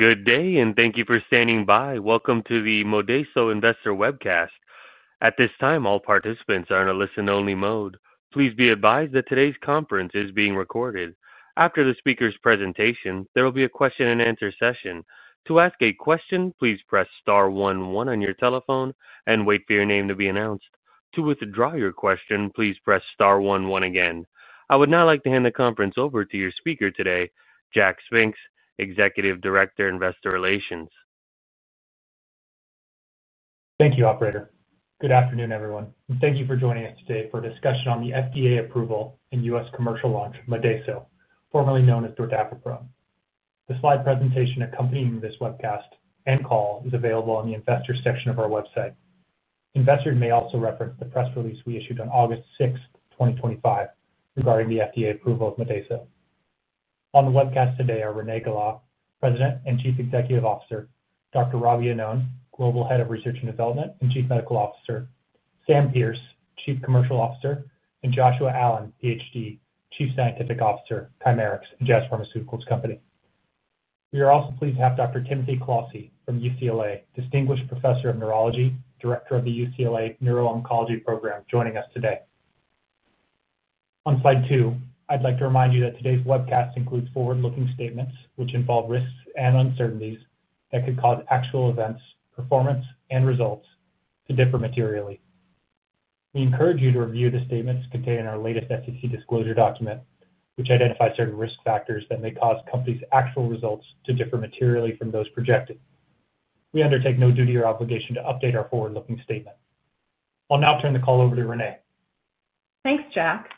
Good day and thank you for standing by. Welcome to the Modeyso Investor Webcast. At this time, all participants are in a listen-only mode. Please be advised that today's conference is being recorded. After the speaker's presentation, there will be a question and answer session. To ask a question, please press Star 1 1 on your telephone and wait for your name to be announced. To withdraw your question, please press Star 1 1 again. I would now like to hand the conference over to your speaker today, Jack Spinks, Executive Director, Investor Relations. Thank you, Operator. Good afternoon, everyone. Thank you for joining us today for a discussion on the FDA approval and U.S. commercial launch of Modeyso, formerly known as dordaviprone. The slide presentation accompanying this webcast and call is available on the Investors section of our website. Investors may also reference the press release we issued on August 6th, 2025, regarding the FDA approval of Modeyso. On the webcast today are Renee Gala, President and Chief Executive Officer, Dr. Robert Iannone, Global Head of Research and Development and Chief Medical Officer, Sam Pearce, Chief Commercial Officer, and Joshua Allen, Ph.D., Chief Scientific Officer, Chimerix, a Jazz Pharmaceuticals company. We are also pleased to have Dr. Timothy Cloughesy from UCLA, Distinguished Professor of Neurology, Director of the UCLA Neuro-Oncology Program, joining us today. On slide 2, I'd like to remind you that today's webcast includes forward-looking statements, which involve risks and uncertainties that could cause actual events, performance, and results to differ materially. We encourage you to review the statements contained in our latest SEC disclosure document, which identifies certain risk factors that may cause the company's actual results to differ materially from those projected. We undertake no duty or obligation to update our forward-looking statement. I'll now turn the call over to Renee. Thanks, Jack.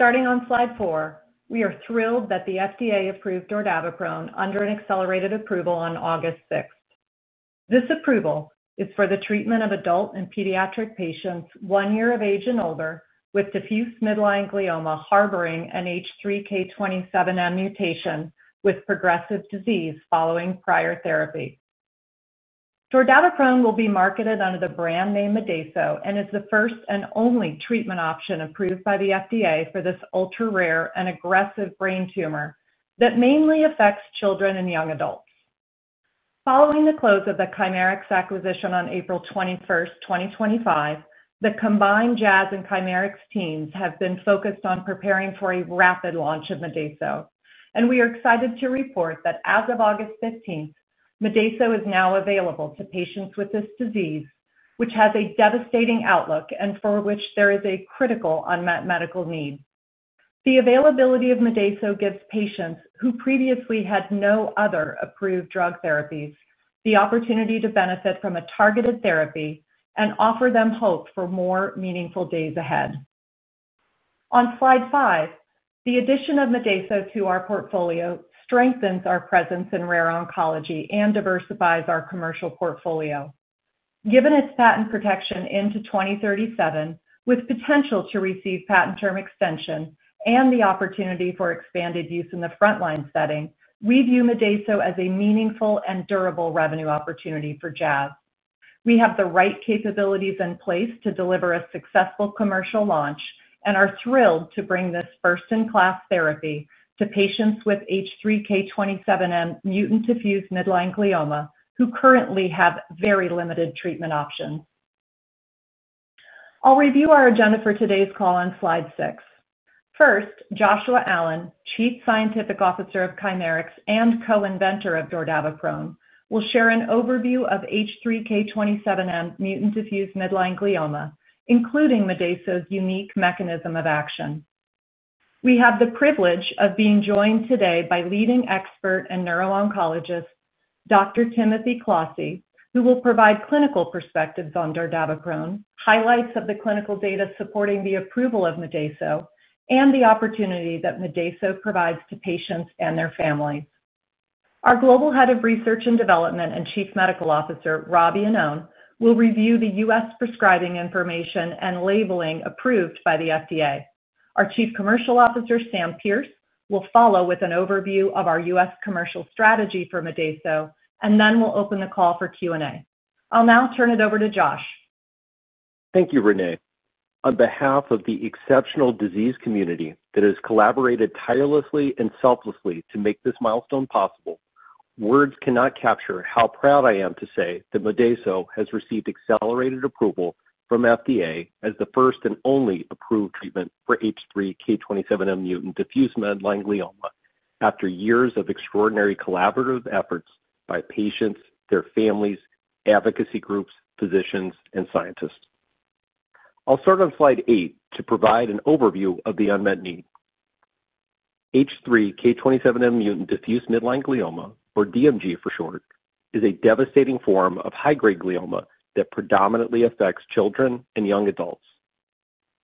Starting on slide 4, we are thrilled that the FDA approved Modeyso under an accelerated approval on August 6th. This approval is for the treatment of adult and pediatric patients 1 year of age and older with diffuse midline glioma harboring an H3K27M mutation with progressive disease following prior therapy. Modeyso will be marketed under the brand name Modeyso and is the first and only treatment option approved by the FDA for this ultra rare and aggressive brain tumor that mainly affects children and young adults. Following the close of the Chimerix acquisition on April 21st, 2025, the combined Jazz Pharmaceuticals and Chimerix teams have been focused on preparing for a rapid launch of Modeyso, and we are excited to report that as of August 15th, Modeyso is now available to patients with this disease. Which has a devastating outlook and for which there is a critical unmet medical need. The availability of Modeyso gives patients who previously had no other approved drug therapy the opportunity to benefit from a targeted therapy and offer them hope for more meaningful days ahead on slide 5. The addition of Modeyso to our portfolio strengthens our presence in rare oncology and diversifies our commercial portfolio. Given its patent protection into 2037, with potential to receive patent term extension and the opportunity for expanded use in the frontline setting, we view Modeyso as a meaningful and durable revenue opportunity for Jazz. We have the right capabilities in place to deliver a successful commercial launch and are thrilled to bring this first in class therapy to patients with H3K27M-mutant diffuse midline glioma who currently have very limited treatment options. I'll review our agenda for today's call on slide 6. First, Joshua Allen, Chief Scientific Officer of Chimerix and co-inventor of Modeyso, will share an overview of H3K27M-mutant diffuse midline glioma, including Modeyso's unique mechanism of action. We have the privilege of being joined today by leading expert and neuro-oncologist Dr. Timothy Cloughesy who will provide clinical perspectives on Modeyso, highlights of the clinical data supporting the approval of Modeyso, and the opportunity that Modeyso provides to patients and their families. Our Global Head of Research and Development and Chief Medical Officer Dr. Robert Iannone will review the U.S. prescribing information and labeling approved by the FDA. Our Chief Commercial Officer Samantha Pearce will follow with an overview of our U.S. commercial strategy for Modeyso. We'll open the call for Q&A. I'll now turn it over to Josh. Thank you, Renee. On behalf of the exceptional disease community that has collaborated tirelessly and selflessly to make this milestone possible, words cannot capture how proud I am to say that Modeyso has received accelerated approval from FDA as the first and only approved treatment for H3K27M-mutant diffuse midline glioma. After years of extraordinary collaborative efforts by patients, their families, advocacy groups, physicians, and scientists, I'll start on slide 8 to provide an overview of the unmet need. H3K27M-mutant diffuse midline glioma, or DMG for short, is a devastating form of high-grade glioma that predominantly affects children and young adults.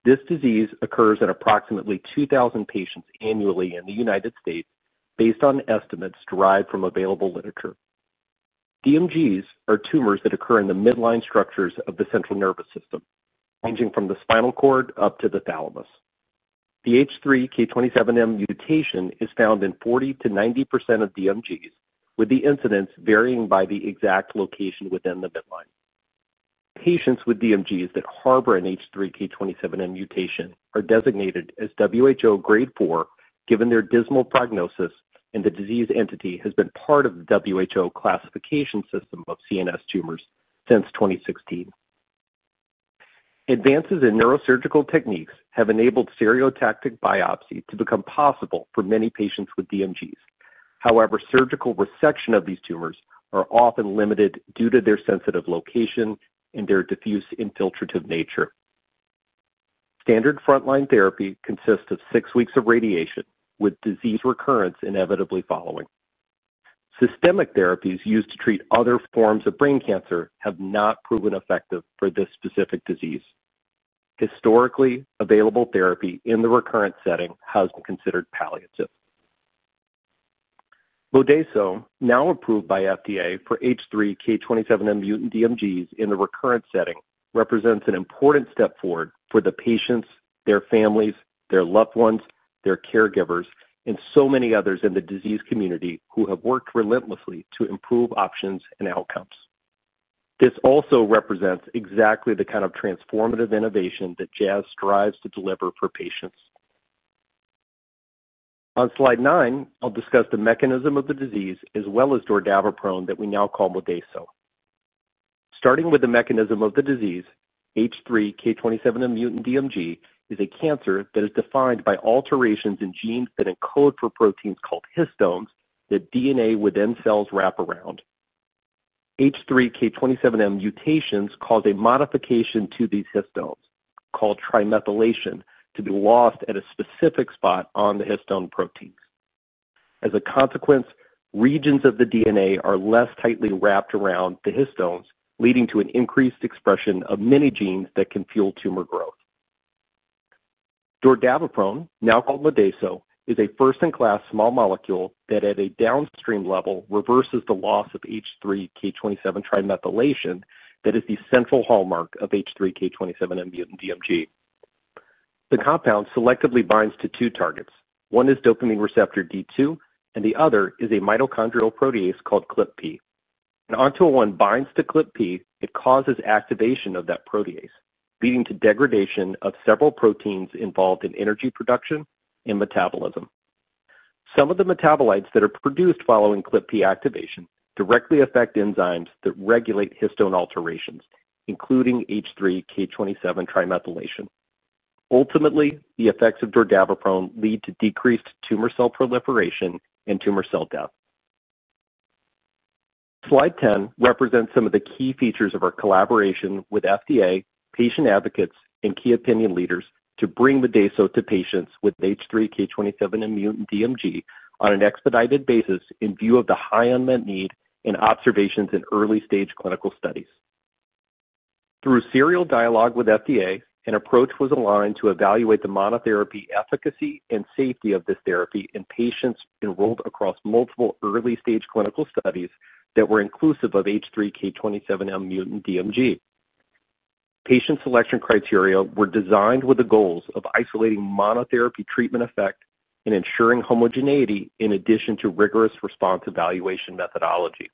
This disease occurs in approximately 2,000 patients annually in the United States. Based on estimates derived from available literature, DMGs are tumors that occur in the midline structures of the central nervous system ranging from the spinal cord up to the thalamus. The H3K27M mutation is found in 40%-90% of DMGs, with the incidence varying by the exact location within the midline. Patients with DMGs that harbor an H3K27M mutation are designated as WHO grade 4 given their dismal prognosis, and the disease entity has been part of the WHO classification system of CNS tumors since 2016. Advances in neurosurgical techniques have enabled stereotactic biopsy to become possible for many patients with DMGs. However, surgical resection of these tumors is often limited due to their sensitive location and their diffuse infiltrative nature. Standard frontline therapy consists of six weeks of radiation, with disease recurrence inevitably following. Systemic therapies used to treat other forms of brain cancer have not proven effective for this specific disease. Historically, available therapy in the recurrent setting has been considered palliative. Modeyso, now approved by FDA for H3K27M-mutant DMGs in the recurrent setting, represents an important step forward for the patients, their families, their loved ones, their caregivers, and so many others in the disease community who have worked relentlessly to improve options and outcomes. This also represents exactly the kind of transformative innovation that Jazz Pharmaceuticals strives to deliver for patients. On slide 9, I'll discuss the mechanism of the disease as well as dordaviprone that we now call Modeyso, starting with the mechanism of the disease. H3K27M-mutant DMG is a cancer that is defined by alterations in genes that encode for proteins called histones that DNA within cells wrap around. H3K27M mutations cause a modification to these histones called trimethylation to be lost at a specific spot on the histone proteins. As a consequence, regions of the DNA are less tightly wrapped around the histones, leading to an increased expression of many genes that can fuel tumor growth. Modeyso, formerly called dordaviprone, is a first-in-class small molecule that at a downstream level reverses the loss of H3K27 trimethylation that is the central hallmark of H3K27M-mutant DMG. The compound selectively binds to two targets. One is dopamine receptor D2 and the other is a mitochondrial protease called CLIP P. Modeyso binds to CLIP P and it causes activation of that protease, leading to degradation of several proteins involved in energy production and metabolism. Some of the metabolites that are produced following CLIP P activation directly affect enzymes that regulate histone alterations, including H3K27 trimethylation. Ultimately, the effects of Modeyso lead to decreased tumor cell proliferation and tumor cell death. Slide 10 represents some of the key features of our collaboration with FDA, patient advocates, and key opinion leaders to bring Modeyso to patients with H3K27M-mutant DMG on an expedited basis in view of the high unmet need and observations in early stage clinical studies. Through serial dialogue with FDA, an approach was aligned to evaluate the monotherapy efficacy and safety of this therapy in patients enrolled across multiple early stage clinical studies that were inclusive of H3K27M-mutant DMG. Patient selection criteria were designed with the goals of isolating monotherapy treatment effect and ensuring homogeneity in addition to rigorous response evaluation methodology.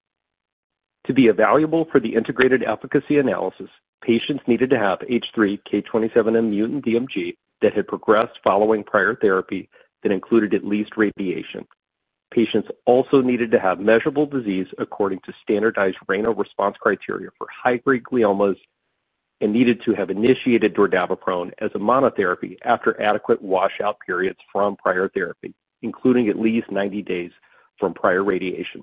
To be valuable for the integrated efficacy analysis, patients needed to have H3K27M-mutant DMG that had progressed following prior therapy that included at least radiation. Patients also needed to have measurable disease according to standardized central response criteria for high grade gliomas and needed to have initiated Modeyso as a monotherapy after adequate washout periods from prior therapy, including at least 90 days from prior radiation.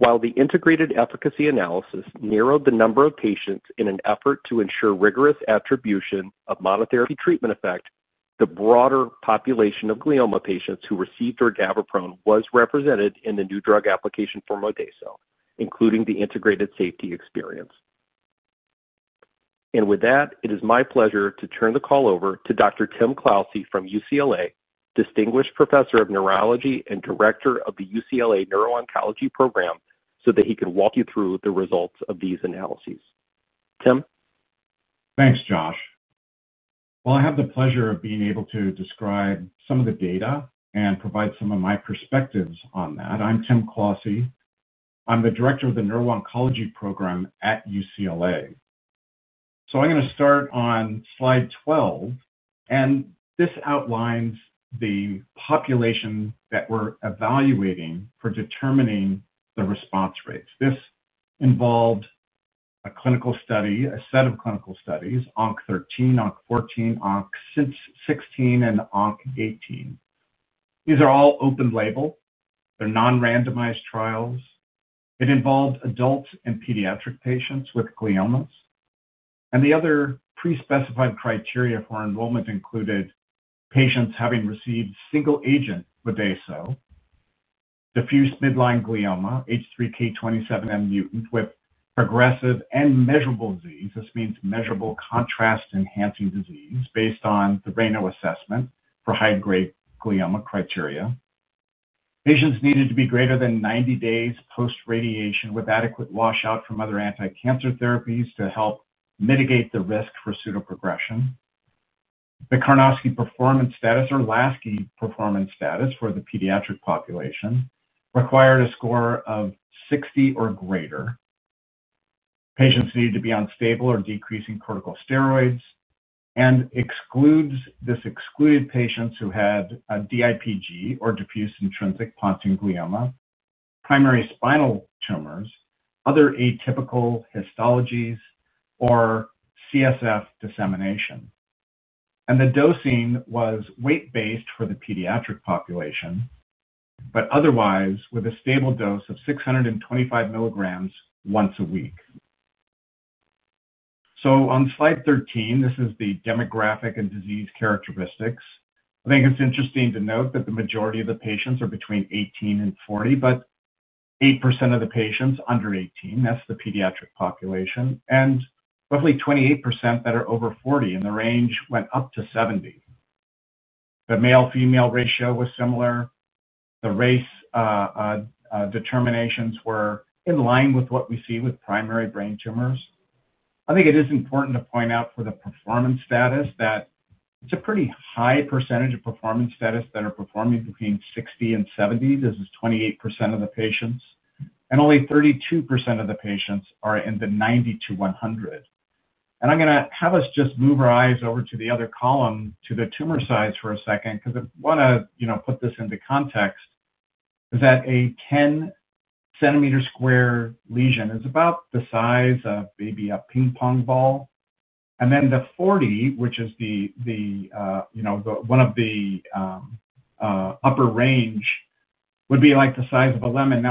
While the integrated efficacy analysis narrowed the number of patients in an effort to ensure rigorous attribution of monotherapy treatment effect, the broader population of glioma patients who received orgabaprone was represented in the new drug application for Modeyso, including the integrated safety experience. It is my pleasure to turn the call over to Dr. Timothy Cloughesy from UCLA, Distinguished Professor of Neurology and Director of the UCLA Neuro-Oncology Program, so that he can walk you through the results of these analyses. Thanks, Josh. I have the pleasure of being able to describe some of the data and provide some of my perspectives on that. I'm Dr. Tim Cloughesy, I'm the Director of Neuro-Oncology at UCLA. I'm going to start on slide 12, and this outlines the population that we're evaluating for determining the response rates. This involved a clinical study, a set of clinical studies, ONC13, ONC14, ONC16, and ONC18. These are all open-label, they're non-randomized trials. It involved adult and pediatric patients with gliomas, and the other pre-specified criteria for enrollment included patients having received single-agent Modeyso, diffuse midline glioma H3K27M-mutant with progressive and measurable disease. This means measurable contrast-enhancing disease based on the RANO assessment for high-grade glioma criteria. Patients needed to be greater than 90 days post-radiation with adequate washout from other anti-cancer therapies to help mitigate the risk for pseudoprogression. The Karnofsky performance status or Lansky performance status for the pediatric population required a score of 60 or greater. Patients need to be on stable or decreasing corticosteroids, and this excluded patients who had a DIPG or diffuse intrinsic pontine glioma, primary spinal tumors, other atypical histologies, or CSF dissemination. The dosing was weight-based for the pediatric population but otherwise with a stable dose of 625 mg once a week. On slide 13, this is the demographic and disease characteristics. I think it's interesting to note that the majority of the patients are between 18 and 40, but 8% of the patients are under 18, that's the pediatric population, and roughly 28% are over 40, and the range went up to 70. The male-female ratio was similar. The race determinations were in line with what we see with primary brain tumors. I think it is important to point out for the performance status that it's a pretty high percentage of performance status that are performing between 60 and 70. This is 28% of the patients, and only 32% of the patients are in the 90 to 100. I'm going to have us just move our eyes over to the other column to the tumor size for a second because I want to put this into context that a 10 cm sq lesion is about the size of maybe a ping pong ball, and then the 40, which is one of the upper range, would be like the size of a lemon.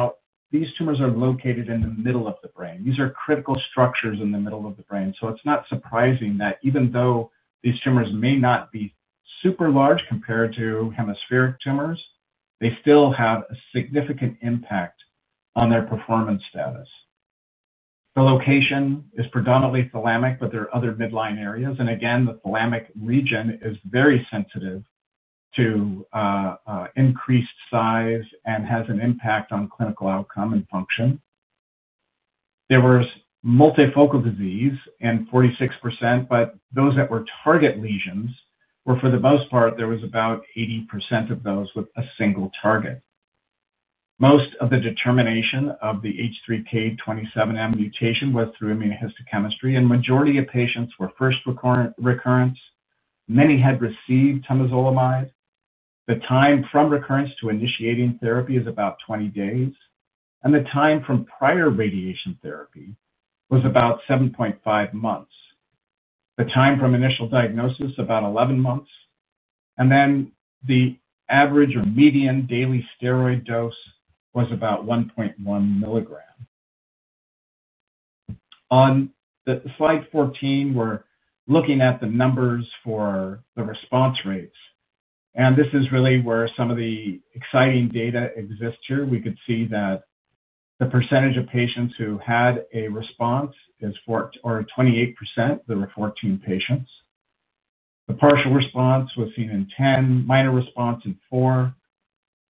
These tumors are located in the middle of the brain. These are critical structures in the middle of the brain. It's not surprising that even though these tumors may not be super large compared to hemispheric tumors, they still have a significant impact on their performance status. The location is predominantly thalamic, but there are other midline areas, and again the thalamic region is very sensitive to increased size and has an impact on clinical outcome and function. There was multifocal disease in 46%, but those that were target lesions were for the most part, about 80% of those with a single target. Most of the determination of the H3K27M mutation was through immunohistochemistry, and the majority of patients were first recurrence. Many had received temozolomide. The time from recurrence to initiating therapy is about 20 days. The time from prior radiation therapy was about 7.5 months. The time from initial diagnosis was about 11 months. The average or median daily steroid dose was about 1.1 mg. On slide 14, we're looking at the numbers for the response rates, and this is really where some of the exciting data exists. Here we could see that the percentage of patients who had a response is 28%. There were 14 patients. The partial response was seen in 10, minor response in four.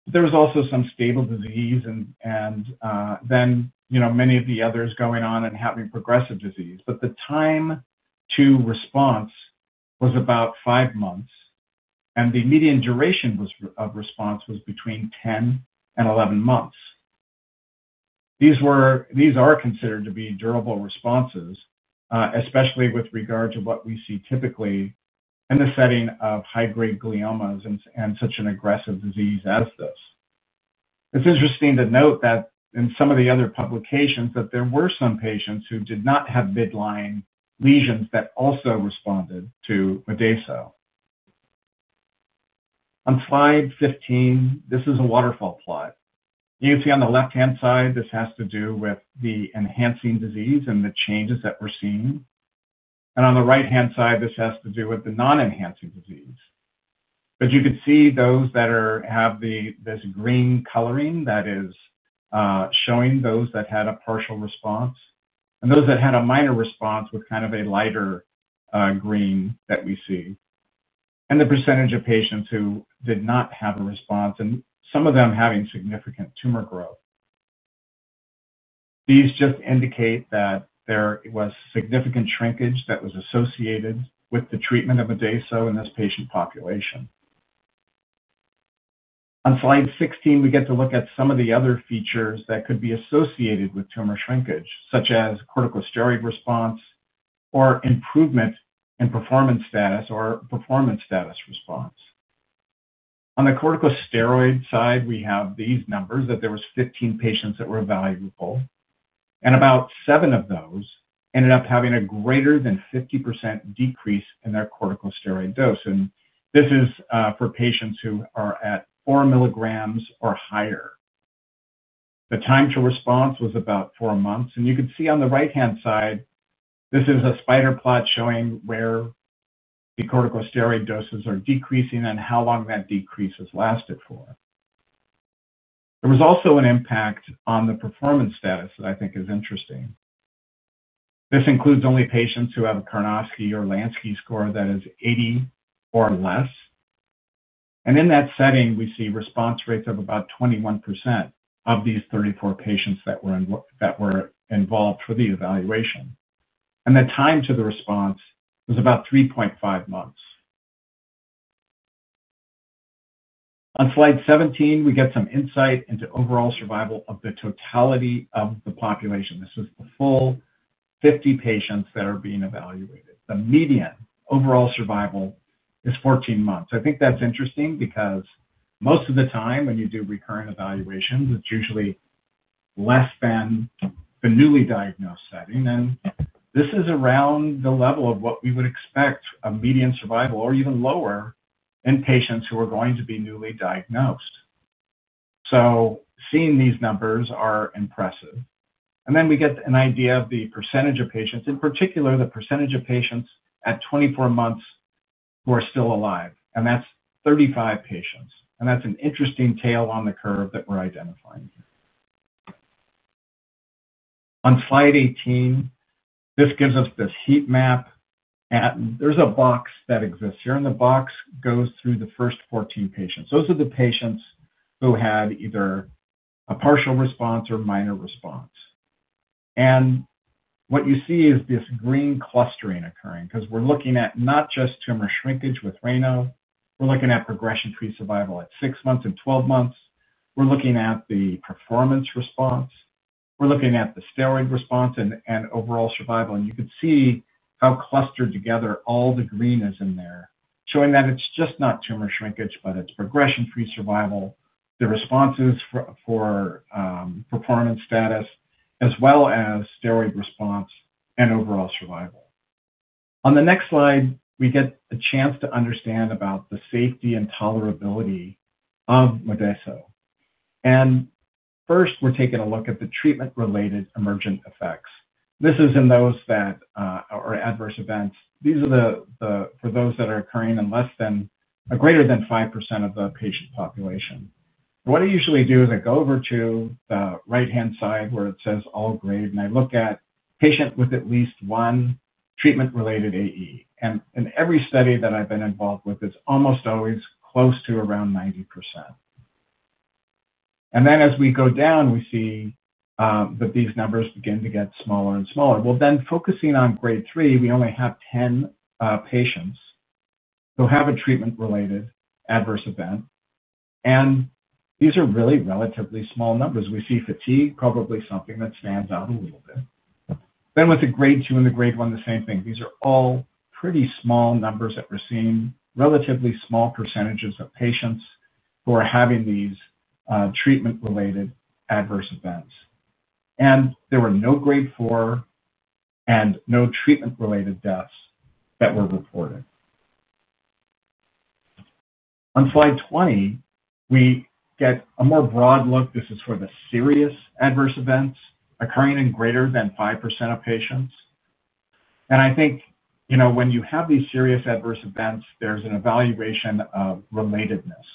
There was also some stable disease, and many of the others going on and having progressive disease. The time to response was about 5 months, and the median duration of response was between 10 and 11 months. These are considered to be durable responses, especially with regard to what we see typically in the setting of high grade gliomas and such an aggressive disease. Out of this, it's interesting to note that in some of the other publications, there were some patients who did not have midline lesions that also responded to Modeyso. On slide 15, this is a waterfall plot. You can see on the left hand side this has to do with the enhancing disease and the changes that we're seeing. On the right hand side, this has to do with the non-enhancing disease. You could see those that have this green coloring that is showing those that had a partial response and those that had a minor response with kind of a lighter green that we see. The percentage of patients who did not have a response and some of them having significant tumor growth. These just indicate that there was significant shrinkage that was associated with the treatment of Modeyso in this patient population. On slide 16 we get to look at some of the other features that could be associated with tumor shrinkage, such as corticosteroid response or improvement in performance status or performance status response. On the corticosteroid side, we have these numbers that there were 15 patients that were evaluable and about 7 of those ended up having a greater than 50% decrease in their corticosteroid dose. This is for patients who are at 4 mg or higher. The time to response was about four months. You can see on the right-hand side, this is a spider plot showing where the corticosteroid doses are decreasing and how long that decrease lasted for. There was also an impact on the performance status that I think is interesting. This includes only patients who have a Karnofsky or Lansky score that is 80 or less. In that setting, we see response rates of about 21% of these 34 patients that were involved for the evaluation. The time to the response was about 3.5 months. On slide 17, we get some insight into overall survival of the totality of the population. This is the full 50 patients that are being evaluated. The median overall survival is 14 months. I think that's interesting because most of the time when you do recurrent evaluations, it's usually less than the newly diagnosed setting. This is around the level of what we would expect, a median survival or even lower in patients who are going to be newly diagnosed. Seeing these numbers is impressive. We get an idea of the percentage of patients, in particular the percentage of patients at 24 months who are still alive. That's 35%. That's an interesting tail on the curve that we're identifying on slide 18. This gives us this heat map. There's a box that exists here. In the box goes through the first 14 patients. Those are the patients who had either a partial response or minor response. What you see is this green clustering occurring because we're looking at not just tumor shrinkage. With Modeyso, we're looking at progression free survival at 6 months and 12 months. We're looking at the performance response, we're looking at the steroid response, and overall survival. You could see how clustered together all the green is in there, showing that it's just not tumor shrinkage, but it's progression free survival, the responses for performance status as well as steroid response and overall survival. On the next slide we get a chance to understand about the safety and tolerability of Modeyso. First we're taking a look at the treatment-related emergent effects. This is in those that are adverse events. These are for those that are occurring in greater than 5% of the patient population. What I usually do is I go over to the right-hand side where it says all grade and I look at patients with at least one treatment-related AE. In every study that I've been involved with, it's almost always close to around 90%. As we go down, we see that these numbers begin to get smaller and smaller. Focusing on grade three, we only have 10 patients who have a treatment-related adverse event. These are really relatively small numbers. We see fatigue, probably something that stands out a little bit. With the grade two and the grade one, the same thing. These are all pretty small numbers that we're seeing. Relatively small percentages of patients are having these treatment-related adverse events. There were no grade 4 and no treatment-related deaths that were reported. On slide 20, we get a more broad look. This is for the serious adverse events occurring in greater than 5% of patients. I think when you have these serious adverse events, there's an evaluation of relatedness.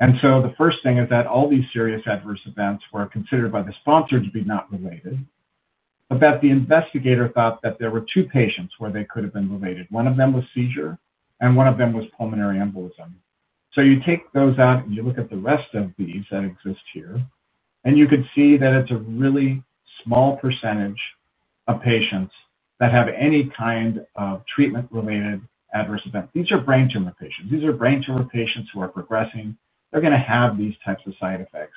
The first thing is that all these serious adverse events were considered by the sponsor to be not related. The investigator thought that there were two patients where they could have been related. One of them was seizure and one of them was pulmonary embolism. You take those out and you look at the rest of these that exist here and you can see that it's a really small percentage of patients that have any kind of treatment-related adverse event. These are brain tumor patients. These are brain tumor patients who are progressing. They're going to have these types of side effects: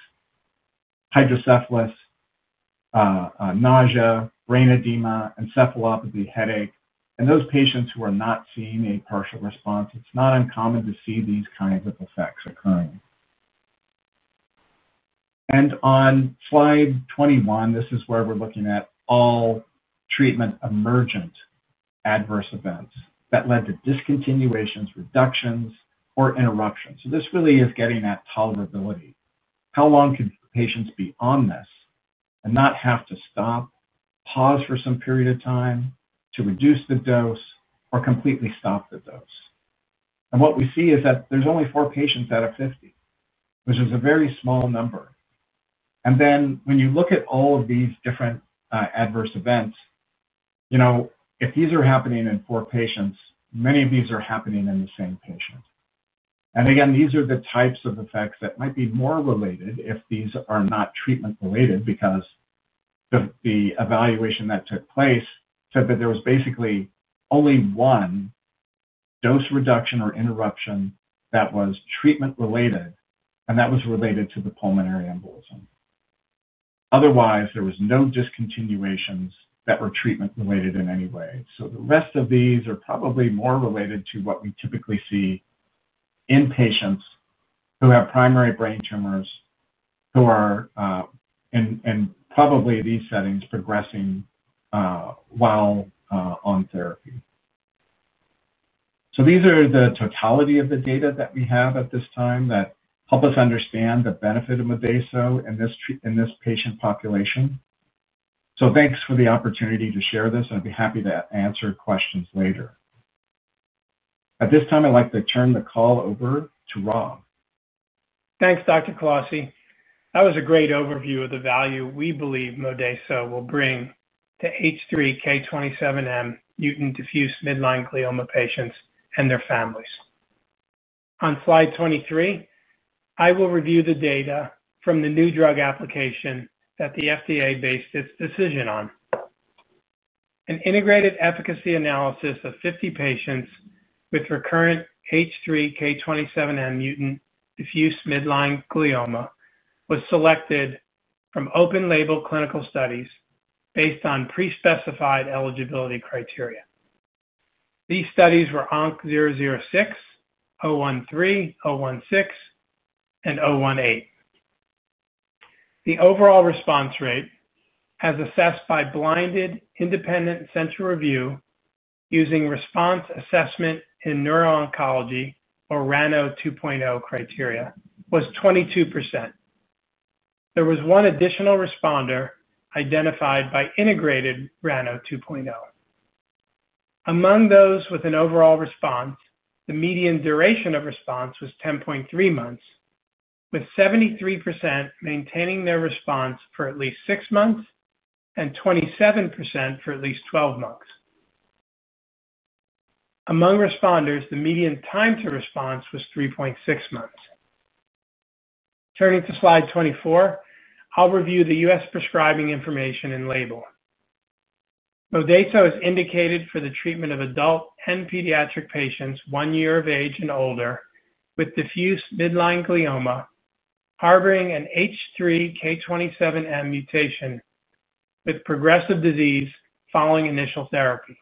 hydrocephalus, nausea, brain edema, encephalopathy, headache, and those patients who are not seeing a partial response. It's not uncommon to see these kinds of effects occurring. On slide 21, this is where we're looking at all treatment-emergent adverse events that led to discontinuations, reductions, or interruptions. This really is getting at tolerability. How long can patients be on this and not have to stop, pause for some period of time to reduce the dose, or completely stop the dose? What we see is that there's only four patients out of 50, which is a very small number. When you look at all of these different adverse events, if these are happening in four patients, many of these are happening in the same patient. These are the types of effects that might be more related if these are not treatment related. The evaluation that took place said that there was basically only one dose reduction or interruption that was treatment related, and that was related to the pulmonary embolism. Otherwise, there was no discontinuations that were treatment related in any way. The rest of these are probably more related to what we typically see in patients who have primary brain tumors who are in these settings progressing while on therapy. These are the totality of the data that we have at this time that help us understand the benefit of Modeyso in this patient population. Thanks for the opportunity to share this. I'd be happy to answer questions later. At this time, I'd like to turn the call over to Rob. Thanks, Dr. Cloughesy. That was a great overview of the value we believe Modeyso will bring to H3K27M-mutant diffuse midline glioma patients and their families. On slide 23, I will review the data from the new drug application that the FDA based its decision on. An integrated efficacy analysis of 50 patients with recurrent H3K27M-mutant diffuse midline glioma was selected from open-label clinical studies based on prespecified eligibility criteria. These studies were ONC 006, 013, 016, and 018. The overall response rate as assessed by blinded independent central review using Response Assessment in Neuro-Oncology, or RANO 2.0, criteria was 22%. There was one additional responder identified by integrated RANO 2.0. Among those with an overall response, the median duration of response was 10.3 months, with 73% maintaining their response for at least 6 months and 27% for at least 12 months. Among responders, the median time to response was 3.6 months. Turning to slide 24, I'll review the U.S. prescribing information and label. Modeyso is indicated for the treatment of adult and pediatric patients 1 year of age and older with diffuse midline glioma harboring an H3K27M mutation with progressive disease following initial therapy.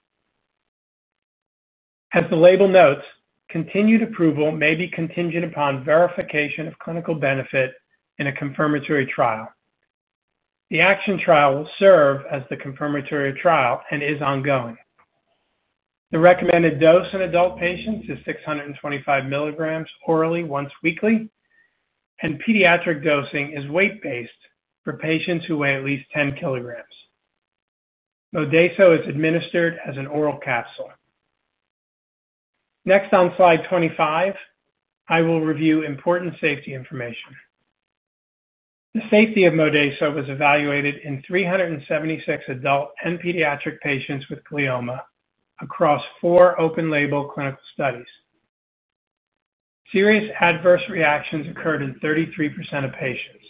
As the label notes, continued approval may be contingent upon verification of clinical benefit in a confirmatory trial. The ACTION trial will serve as the confirmatory trial and is ongoing. The recommended dose in adult patients is 625 mg orally once weekly, and pediatric dosing is weight-based. For patients who weigh at least 10 kg, Modeyso is administered as an oral capsule. Next, on slide 25, I will review important safety information. The safety of Modeyso was evaluated in 376 adult and pediatric patients with glioma across four open-label clinical studies. Serious adverse reactions occurred in 33% of patients.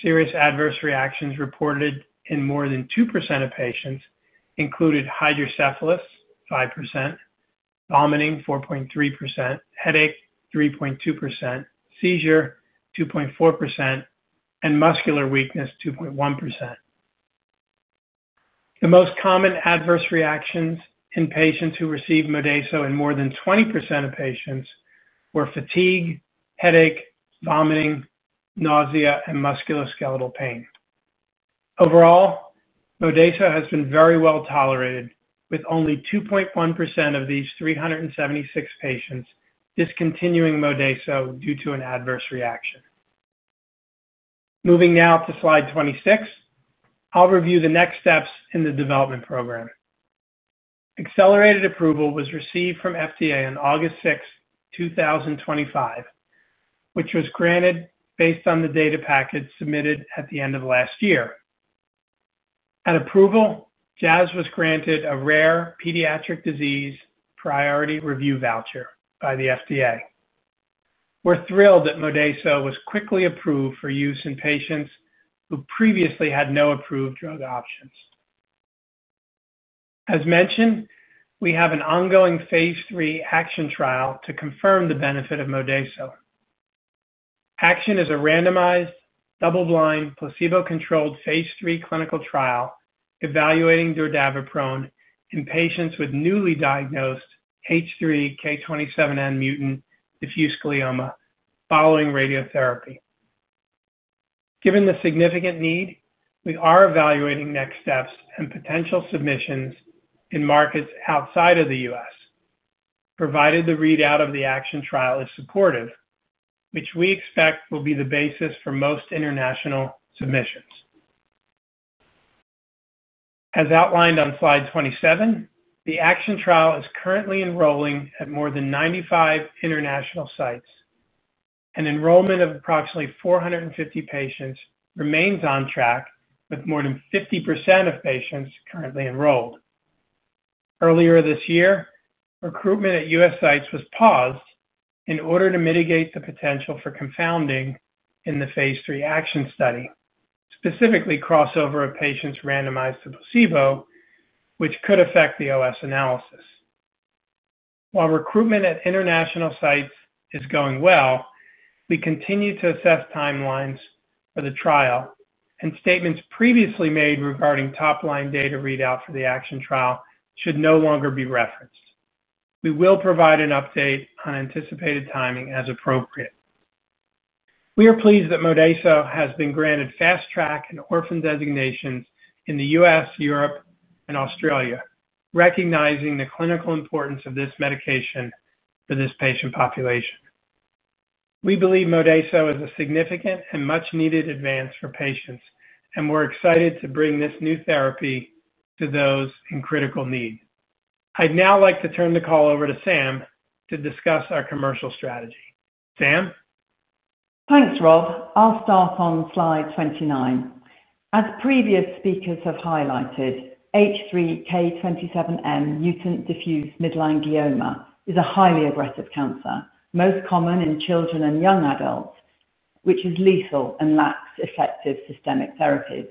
Serious adverse reactions reported in more than 2% of patients included hydrocephalus 5%, vomiting 4.3%, headache 3.2%, seizure 2.4%, and muscular weakness 2.1%. The most common adverse reactions in patients who received Modeyso in more than 20% of patients were fatigue, headache, vomiting, nausea, and musculoskeletal pain. Overall, Modeyso has been very well tolerated, with only 2.1% of these 376 patients discontinuing Modeyso due to an adverse reaction. Moving now to slide 26, I'll review the next steps in the development program. Accelerated approval was received from FDA on August 6, 2025, which was granted based on the data packet submitted at the end of last year. At approval, Jazz was granted a rare pediatric disease priority review voucher by the FDA. We're thrilled that Modeyso was quickly approved for use in patients who previously had no approved drug options. As mentioned, we have an ongoing phase III ACTION trial to confirm the benefit of Modeyso. ACTION is a randomized, double-blind, placebo-controlled phase III clinical trial evaluating Modeyso in patients with newly diagnosed H3K27M-mutant diffuse midline glioma following radiotherapy. Given the significant need, we are evaluating next steps and potential submissions in markets outside of the U.S. provided the readout of the ACTION trial is supportive, which we expect will be the basis for most international submissions. As outlined on slide 27, the ACTION trial is currently enrolling at more than 95 international sites. An enrollment of approximately 450 patients remains on track with more than 50% of patients currently enrolled. Earlier this year, recruitment at U.S. sites was paused in order to mitigate the potential for confounding in the phase III ACTION study, specifically crossover of patients randomized to placebo which could affect the OS analysis. While recruitment at international sites is going well, we continue to assess timelines for the trial and statements previously made regarding top line data readout for the ACTION trial should no longer be referenced. We will provide an update on anticipated timing as appropriate. We are pleased that Modeyso has been granted Fast Track and Orphan designations in the U.S., Europe, and Australia, recognizing the clinical importance of this medication for this patient population. We believe Modeyso is a significant and much needed advance for patients and we're excited to bring this new therapy to those in critical need. I'd now like to turn the call over to Sam to discuss our commercial strategy. Sam? Thanks Rob. I'll start on slide 29. As previous speakers have highlighted, H3K27M-mutant diffuse midline glioma is a highly aggressive cancer most common in children and young adults, which is lethal and lacks effective systemic therapies.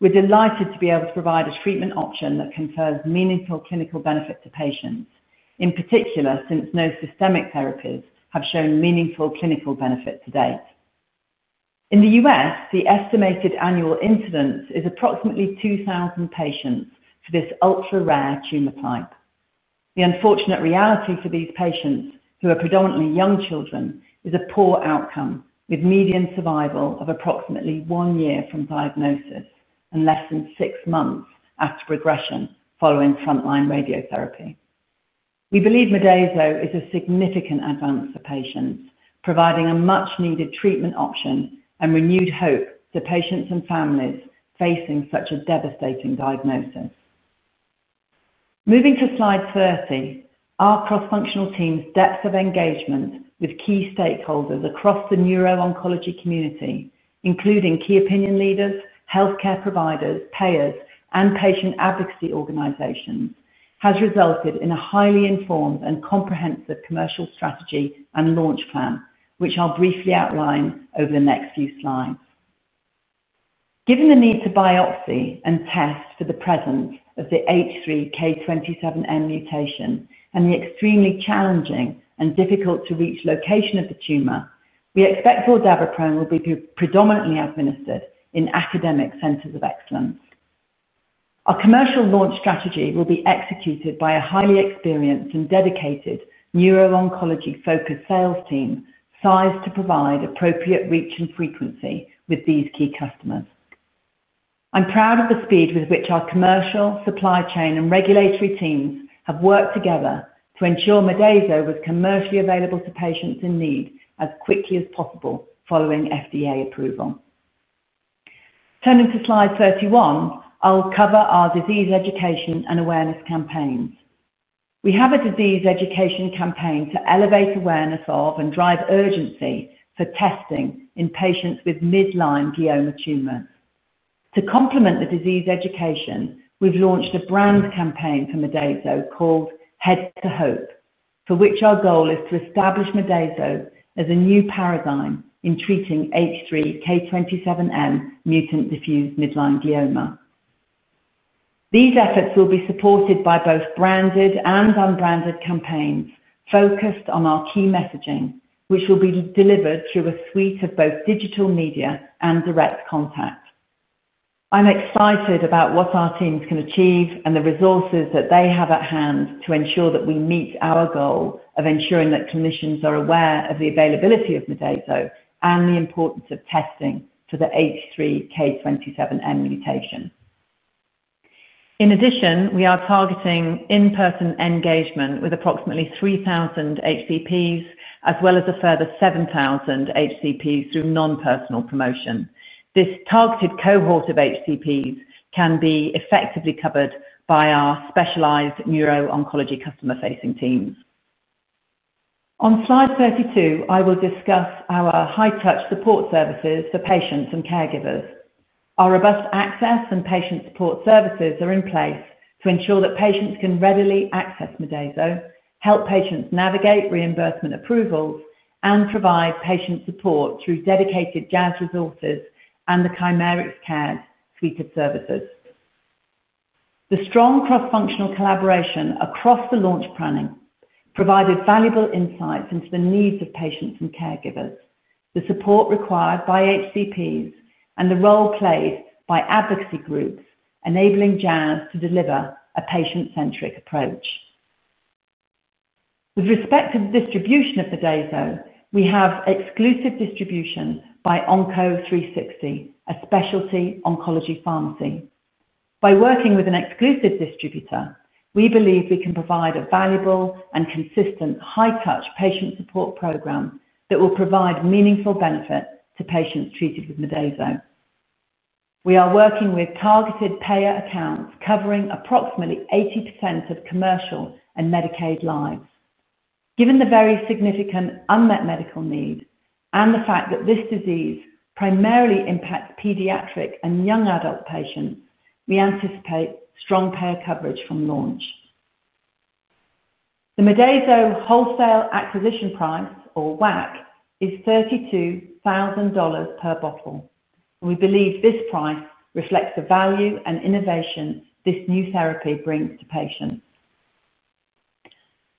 We're delighted to be able to provide a treatment option that confers meaningful clinical benefit to patients. In particular, since no systemic therapies have shown meaningful clinical benefit to date in the U.S., the estimated annual incidence is approximately 2,000 patients to this ultra-rare tumor type. The unfortunate reality for these patients, who are predominantly young children, is a poor outcome with median survival of approximately one year from diagnosis and less than six months after progression following frontline radiotherapy. We believe Modeyso is a significant advance for patients, providing a much-needed treatment option and renewed hope to patients and families facing such a devastating diagnosis. Moving to slide 30, our cross-functional team's depth of engagement with key stakeholders across the neuro-oncology community, including key opinion leaders, healthcare providers, payers, and patient advocacy organizations, has resulted in a highly informed and comprehensive commercial strategy and launch plan, which I'll briefly outline over the next few slides. Given the need to biopsy and test for the presence of the H3K27M mutation and the extremely challenging and difficult-to-reach location of the tumor, we expect Modeyso will be predominantly administered in academic centers of excellence. Our commercial launch strategy will be executed by a highly experienced and dedicated neuro-oncology focused sales team sized to provide appropriate reach and frequency with these key customers. I'm proud of the speed with which our commercial supply chain and regulatory teams have worked together to ensure Modeyso is commercially available to patients in need as quickly as possible following FDA approval. Turning to slide 31, I'll cover our disease education and awareness campaigns. We have a disease education campaign to elevate awareness of and drive urgency for testing in patients with midline glioma. To complement the disease education, we've launched a brand campaign for Modeyso called Head to Hope, for which our goal is to establish Modeyso as a new paradigm in treating H3K27M-mutant diffuse midline glioma. These efforts will be supported by both branded and unbranded campaigns focused on our key messaging, which will be delivered through a suite of both digital media and direct contact. I'm excited about what our teams can achieve and the resources that they have at hand to ensure that we meet our goal of ensuring that clinicians are aware of the availability of Modeyso and the importance of testing to the H3K27M mutation. In addition, we are targeting in person. Engagement with approximately 3,000 HCPs as well as a further 7,000 HCPs through non-personal promotion. This targeted cohort of HCPs can be effectively covered by our specialized neuro-oncology customer-facing teams. On slide 32, I will discuss our high-touch support services for patients and caregivers. Our robust access and patient support services are in place to ensure that patients can readily access Modeyso, help patients navigate reimbursement approvals, and provide patient support through dedicated Jazz resources and the Chimerix Care Suite Observators. The strong cross-functional collaboration across the launch planning provided valuable insights into the needs of patients and caregivers, the support required by HCPs, and the role played by advocacy groups, enabling Jazz to deliver a patient-centric approach. With respect to the distribution of Modeyso, we have exclusive distribution by Onco360, a specialty oncology pharmacy. By working with an exclusive distributor, we believe we can provide a valuable and consistent high-touch patient support program that will provide meaningful benefit to patients treated with Modeyso. We are working with targeted payer accounts covering approximately 80% of commercial and Medicaid lives. Given the very significant unmet medical need and the fact that this disease primarily impacts pediatric and young adult patients, we anticipate strong payer coverage from launch. The Modeyso Wholesale Acquisition Price, or WAC, is $32,000 per bottle. We believe this price reflects the value and innovation this new therapy brings to patients.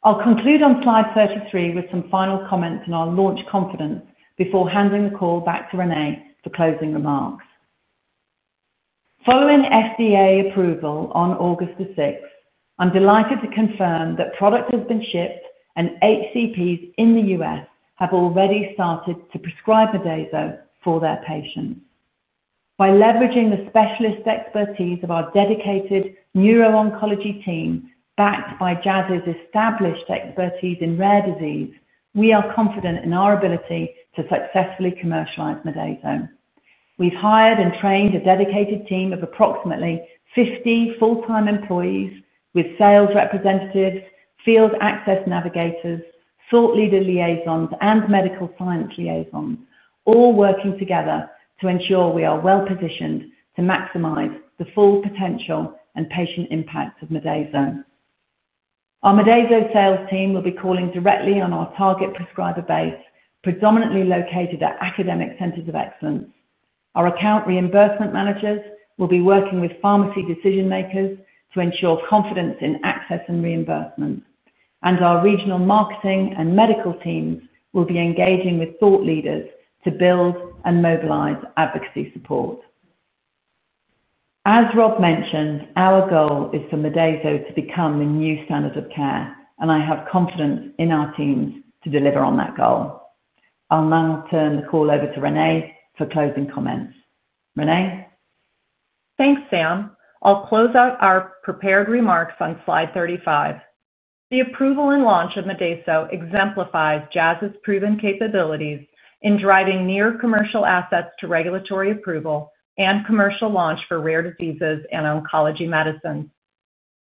I'll conclude on slide 33 with some final comments on our launch confidence before handing the call back to Renee for closing remarks. Following FDA approval on August 6th, I'm delighted to confirm that product has been shipped and HCPs in the U.S. have already started to prescribe Modeyso for their patients. By leveraging the specialist expertise of our dedicated neuro-oncology team, backed by Jazz's established expertise in rare disease, we are confident in our ability to successfully commercialize Modeyso. We've hired and trained a dedicated team of approximately 50 full-time employees with sales representatives, field access navigators, thought leader liaisons, and medical science liaisons all working together to ensure we are well positioned to maximize the full potential and patient impact of Modeyso. Our Modeyso sales team will be calling directly on our target prescriber base, predominantly located at academic centers of excellence. Our account reimbursement managers will be working with pharmacy decision makers to ensure confidence in access and reimbursement, and our regional marketing and medical teams will be engaging with thought leaders to build and mobilize advocacy support. As Rob mentioned, our goal is for Modeyso to become the new standard of care, and I have confidence in our teams to deliver on that goal. I'll now turn the call over to Renee for closing comments. Renee? Thanks Sam. I'll close out our prepared remarks on slide 35. The approval and launch of Modeyso exemplifies Jazz's proven capabilities in driving near commercial assets to regulatory approval and commercial launch for rare diseases and oncology medicine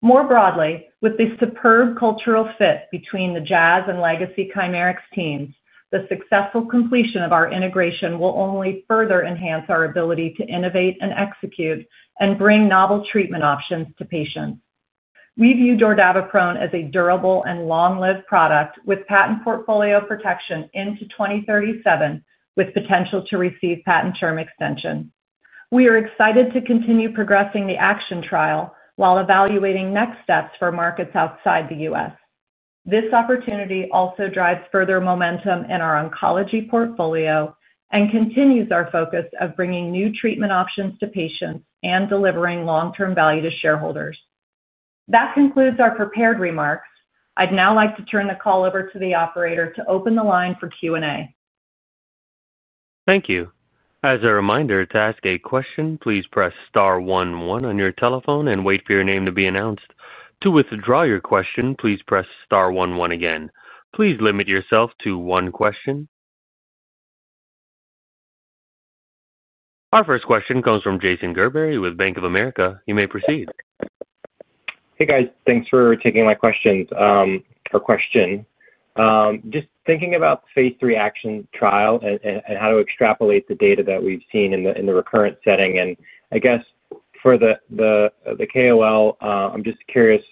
more broadly. With the superb cultural fit between the Jazz and legacy Chimerix teams, the successful completion of our integration will only further enhance our ability to innovate and execute and bring novel treatment options to patients. We view Modeyso as a durable and long lived product with patent portfolio protection into 2037 with potential to receive patent term extension. We are excited to continue progressing the ACTION trial while evaluating next steps for markets outside the U.S. This opportunity also drives further momentum in our oncology portfolio and continues our focus of bringing new treatment options to patients and delivering long term value to shareholders. That concludes our prepared remarks. I'd now like to turn the call over to the operator to open the line for Q&A. Thank you. As a reminder to ask a question, please press star 11 on your telephone and wait for your name to be announced. To withdraw your question, please press star 11 again. Please limit yourself to one question. Our first question comes from Jason Gerberry with Bank of America. You may proceed. Hey guys, thanks for taking my questions. Just thinking about phase III ACTION trial and how to extrapolate the data that we've seen in the recurrent setting. I guess for the KOL, I'm just curious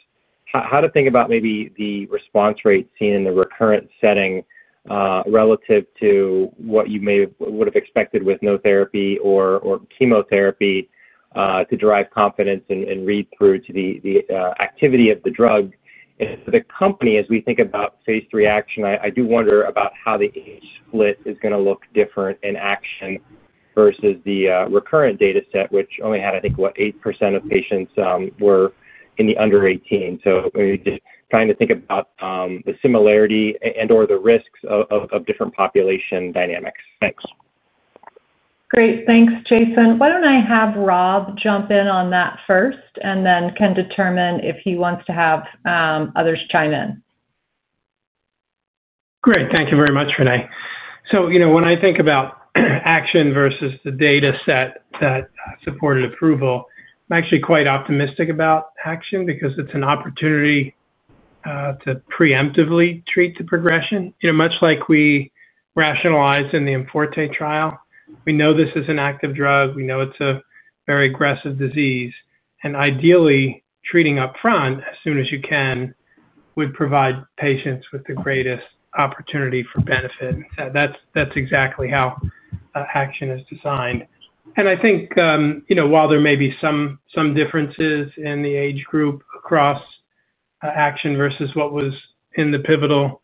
how to think about maybe the response rate seen in the recurrent setting relative to what you may have expected with no therapy or chemotherapy to drive confidence and read through to the activity of the drug. For the company, as we think about phase 3 ACTION, I do wonder about how the age split is going to look different in ACTION versus the recurrent data set which only had, I think, what, 8% of patients were in the under 18. Just trying to think about the similarity and or the risks of different population dynamics. Thanks. Great. Thanks, Jason. Why don't I have Rob jump in on that first, and then can determine if he wants to have others chime in. Great. Thank you very much, Renee. When I think about ACTION versus the data set that supported approval, I'm actually quite optimistic about ACTION because it's an opportunity to preemptively treat the progression. Much like we rationalized in the IMforte trial, we know this is an active drug, we know it's a very aggressive disease, and ideally treating up front as soon as you can would provide patients with the greatest opportunity for benefit. That's exactly how ACTION is designed. I think while there may be some differences in the age group across ACTION versus what was in the pivotal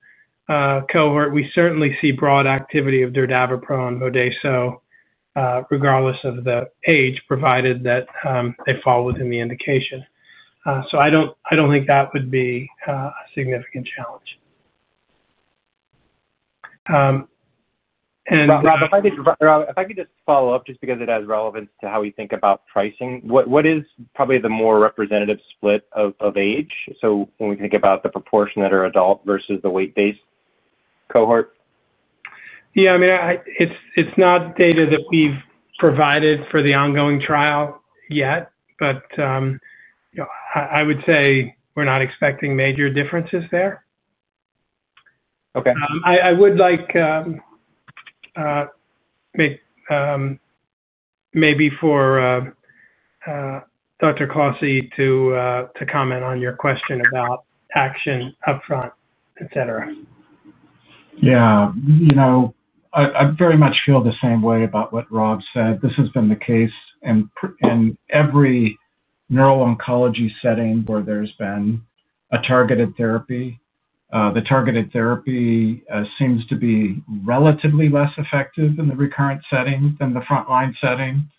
cohort, we certainly see broad activity of Modeyso. Regardless of the age, provided that they fall within the indication, I don't think that would be a significant challenge. If I could just follow up because it has relevance to how we. Think about pricing what is probably the more representative split of age. When we think about the proportion that are adult versus the weight-based cohort? It's not data that we've provided for the ongoing trial yet, but I would say we're not expecting major differences there. Okay. I would like maybe for Dr. Cloughesy to comment on your question about ACTION upfront, et cetera. Yeah, you know, I very much feel the same way about what Rob said. This has been the case in every neuro-oncology setting where there's been a targeted therapy. The targeted therapy seems to be relatively less effective in the recurrent setting than the frontline setting.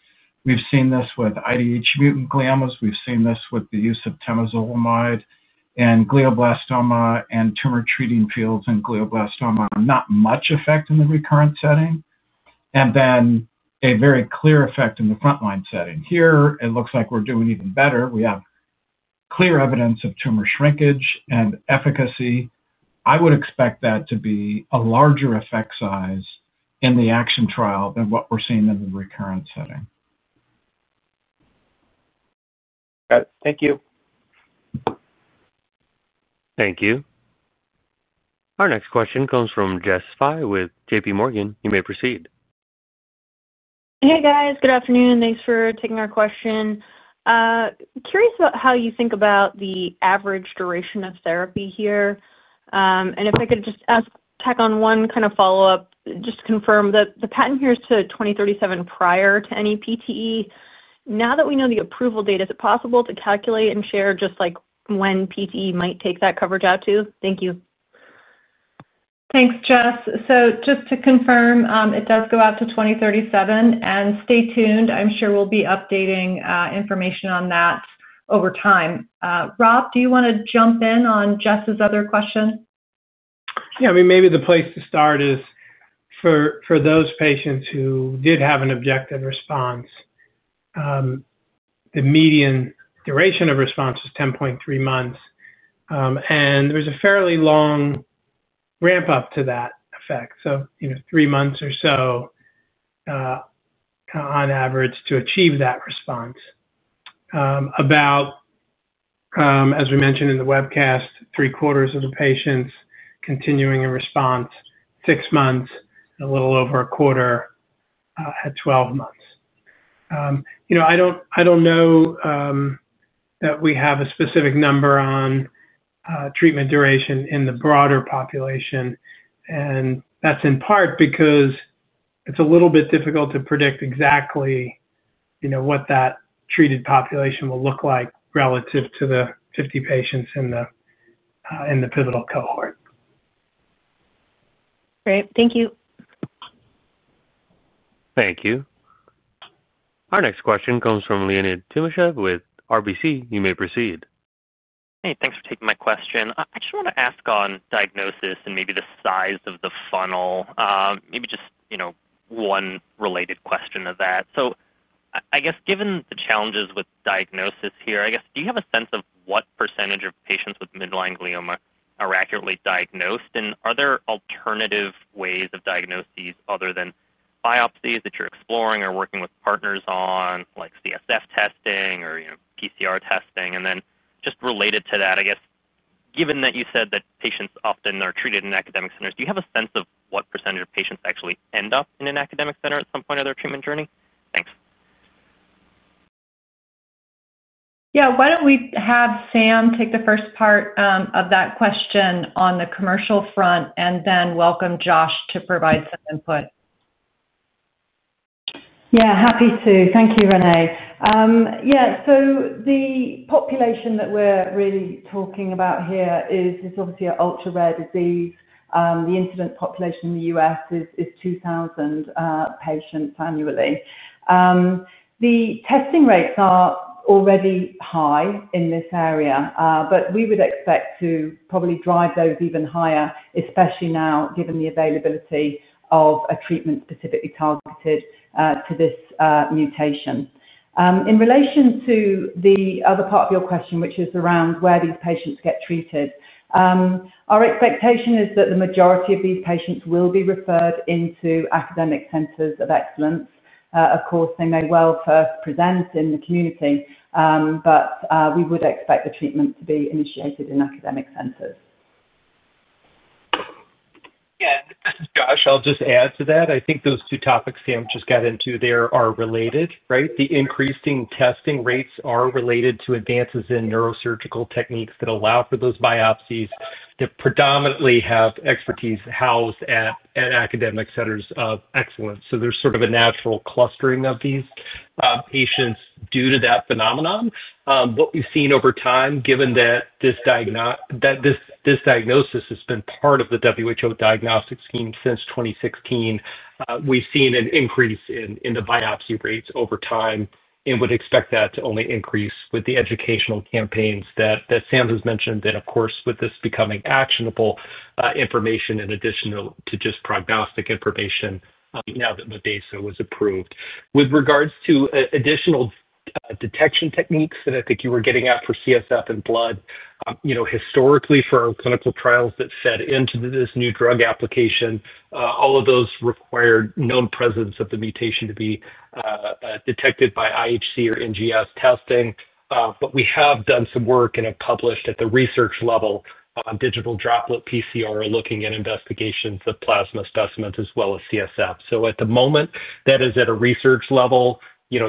We've seen this with IDH mutant gliomas. We've seen this with the use of temozolomide in glioblastoma and tumor treating fields in glioblastoma. Not much effect in the recurrent setting, yet a very clear effect in the frontline setting. Here, it looks like we're doing even better. We have clear evidence of tumor shrinkage and efficacy. I would expect that to be a larger effect size in the ACTION trial than what we're seeing in the recurrent setting. Got it. Thank you. Thank you. Our next question comes from Jess Fye with JPMorgan. You may proceed. Hey, guys. Good afternoon. Thanks for taking our question. Curious about how you think about the average duration of therapy here. If I could just ask, tack on one kind of follow up. Just confirm that the patent here is to 2037 prior to any PTE. Now that we know the approval date, is it possible to calculate and share just like when PTE might take that coverage out to? Thank you. Thanks, Jess. Just to confirm, it does go out to 2037 and stay tuned. I'm sure we'll be updating information on that over time. Rob, do you want to jump in on Jess' other question? Yeah, I mean, maybe the place to start is for those patients who did have an objective response. The median duration of response was 10.3 months, and there was a fairly long ramp up to that effect. You know, three months or so on average to achieve that response. About, as we mentioned in the webcast, 3/4 of the patients continuing a response at 6 months, a little over 1/4 at 12 months. I don't know that we have a specific number on treatment duration in the broader population. That's in part because it's a little bit difficult to predict exactly what that treated population will look like relative to the 50 patients in the pivotal cohort. Great. Thank you. Thank you. Our next question comes from Leonid Timoshev with RBC. You may proceed. Hey, thanks for taking my question. I just want to ask on diagnosis and maybe the size of the funnel, maybe just one related question of that. I guess, given the challenges with diagnosis here, do you have a sense of what % of patients with midline glioma are accurately diagnosed? Are there alternative ways of diagnosis other than biopsies that you're exploring or working with partners on, like CSF testing or PCR testing? Just related to that, given that you said that patients often are treated in academic centers, do you have a sense of what % of patients actually end up in an academic center at some point in their treatment journey? Thanks. Yeah, why don't we have Sam take the first part of that question on the commercial front, and then welcome Josh to provide some input. Yeah, happy to. Thank you, Renee. Yeah, so the population that we're really talking about here is obviously ultra rare. The incident population in the U.S. is 2,000 patients annually. The testing rates are already high in this area, but we would expect to probably drive those even higher, especially now, given the availability of a treatment specifically targeted to this mutation. In relation to the other part of your question, which is around where these patients get treated, our expectation is that the majority of these patients will be referred into academic centers of excellence. Of course, they may well first present in the community, but we would expect the treatment be initiated in academic centers. Yeah, it's Josh, I'll just add to that. I think those two topics Sam just got into there are related. The increasing testing rates are related to advances in neurosurgical techniques that allow for those biopsies that predominantly have expertise housed at academic centers of excellence. There is sort of a natural clustering of these patients due to that phenomenon. What we've seen over time, given that this diagnosis has been part of the WHO diagnostics team since 2016, we've seen an increase in the biopsy rates over time and would expect that to only increase with the educational campaigns that Sam has mentioned. That, of course, with this becoming actionable information in addition to just prognostic information, now that Modeyso was approved. With regards to additional detection techniques that I think you were getting at for CSF and blood, historically, for our clinical trials that fed into this new drug application, all of those required known presence of the mutation to be detected by IHC or NGS testing. We have done some work and have published at the research level on digital droplet PCR, looking at investigations of plasma specimens as well as CSF. At the moment, that is at a research level.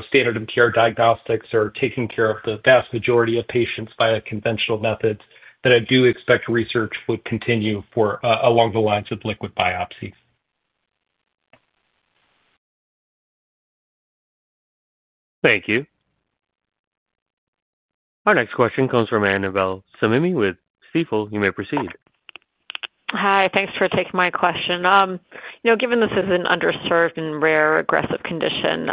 Standard of care diagnostics are taking care of the vast majority of patients by a conventional method. I do expect research would continue along the lines of liquid biopsies. Thank you. Our next question comes from Annabel Samimy with Stifel. You may proceed. Hi. Thanks for taking my question. Given this is an underserved and rare aggressive condition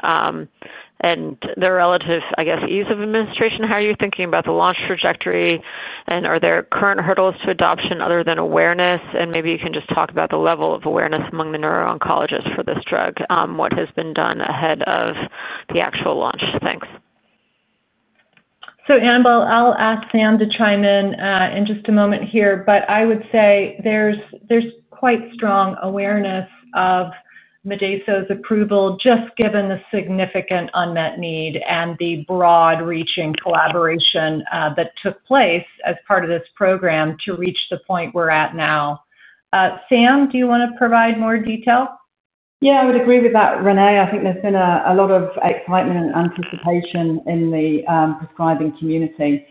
and the relative, I guess, ease of administration, how are you thinking about the launch trajectory, and are there current hurdles to adoption other than awareness? Maybe you can just talk about the level of awareness among the neuro-oncologists for this drug. What has been done ahead of the actual launch? Thanks. Annabel, I'll ask Sam to chime in in just a moment here, but I would say there's quite strong awareness of Modeyso's approval just given the significant unmet need and the broad reaching collaboration that took place as part of this program to reach the point we're at now. Sam, do you want to provide more detail? Yeah, I would agree with that, Renee. I think there's been a lot of excitement and anticipation in the prescribing community.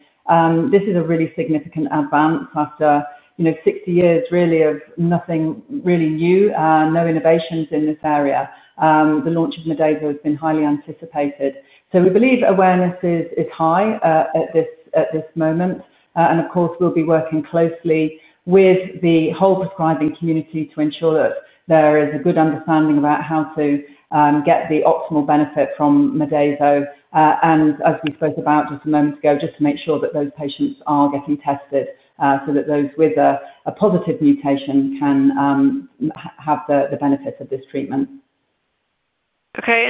This is a really significant advance after, you know, 60 years really of nothing really new, no innovations in this area. The launch of Modeyso has been highly anticipated. We believe awareness is high at this moment. Of course, we'll be working closely with the whole prescribing community to ensure that there is a good understanding about how to get the optimal benefit from Modeyso. As we spoke about just a moment ago, just to make sure that those patients are getting tested so that those with a positive mutation can have the benefit of this treatment. Okay.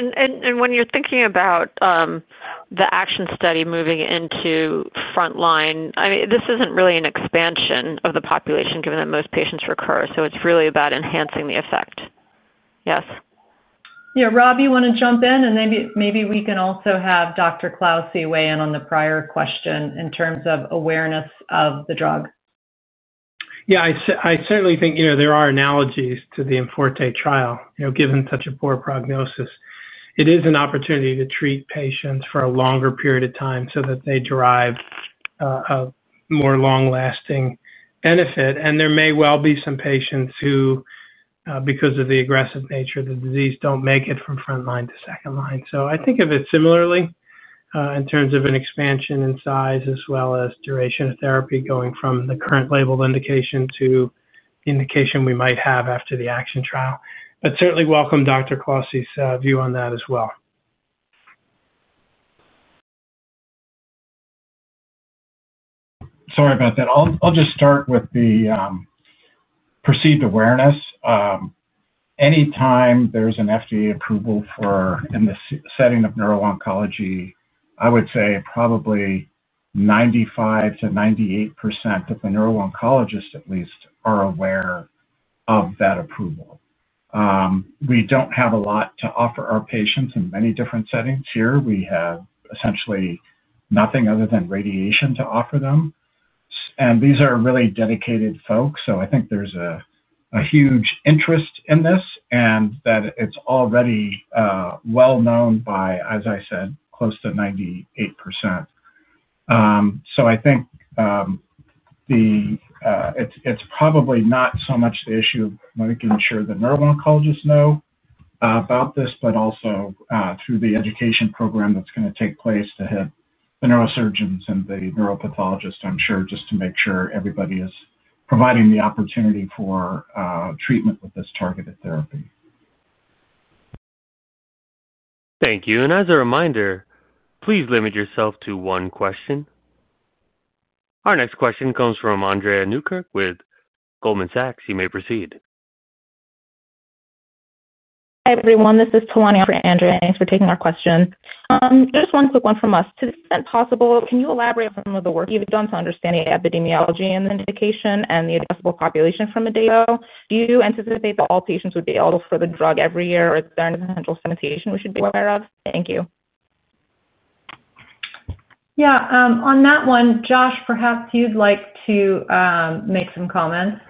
When you're thinking about the ACTION trial moving into frontline, this isn't really an expansion of the population given that most patients recur. It's really about enhancing the effect. Yes. Rob, you want to jump in and maybe we can also have Dr. Cloughesy weigh in on the prior question in terms of awareness of the drug. Yeah, I certainly think, you know, there are analogies to the IMforte trial. Given such a poor prognosis, it is an opportunity to treat patients for a longer period of time so that they derive a more long lasting benefit. There may well be some patients who, because of the aggressive nature of the disease, don't make it from frontline to second line. I think of it similarly in terms of an expansion in size as well as duration of therapy, going from the current label indication to indication we might have after the ACTION trial. I'd certainly welcome Dr. Cloughesy's view on that as well. Sorry about that. I'll just start with the perceived awareness. Anytime there's an FDA approval in the setting of neuro-oncology, I would say probably 95%-98% of the neuro-oncologists at least are aware of that approval. We don't have a lot to offer our patients in many different settings. Here we have essentially nothing other than radiation to offer them. These are really dedicated folks. I think there's a huge interest in this and that it's already well known by, as I said, close to 98%. I think it's probably not so much the issue of making sure the neuro-oncologists know about this, but also through the education program that's going to take place to hit the neurosurgeons and the neuropathologists, I'm sure, just to make sure everybody is providing the opportunity for treatment with this targeted therapy. Thank you. As a reminder, please limit yourself to one question. Our next question comes from Andrea Newkirk with Goldman Sachs. You may proceed. Hi, everyone, this is Tolani on for Andrea, thanks for taking our question. Just one quick one from us. To the extent possible, can you elaborate on some of the work you've done to understanding epidemiology and indication and the addressable population? For Modeyso, do you anticipate that all patients would be eligible for the drug every year we should be aware of? Thank you. Yeah, on that one, Josh, perhaps you'd like to make some comments.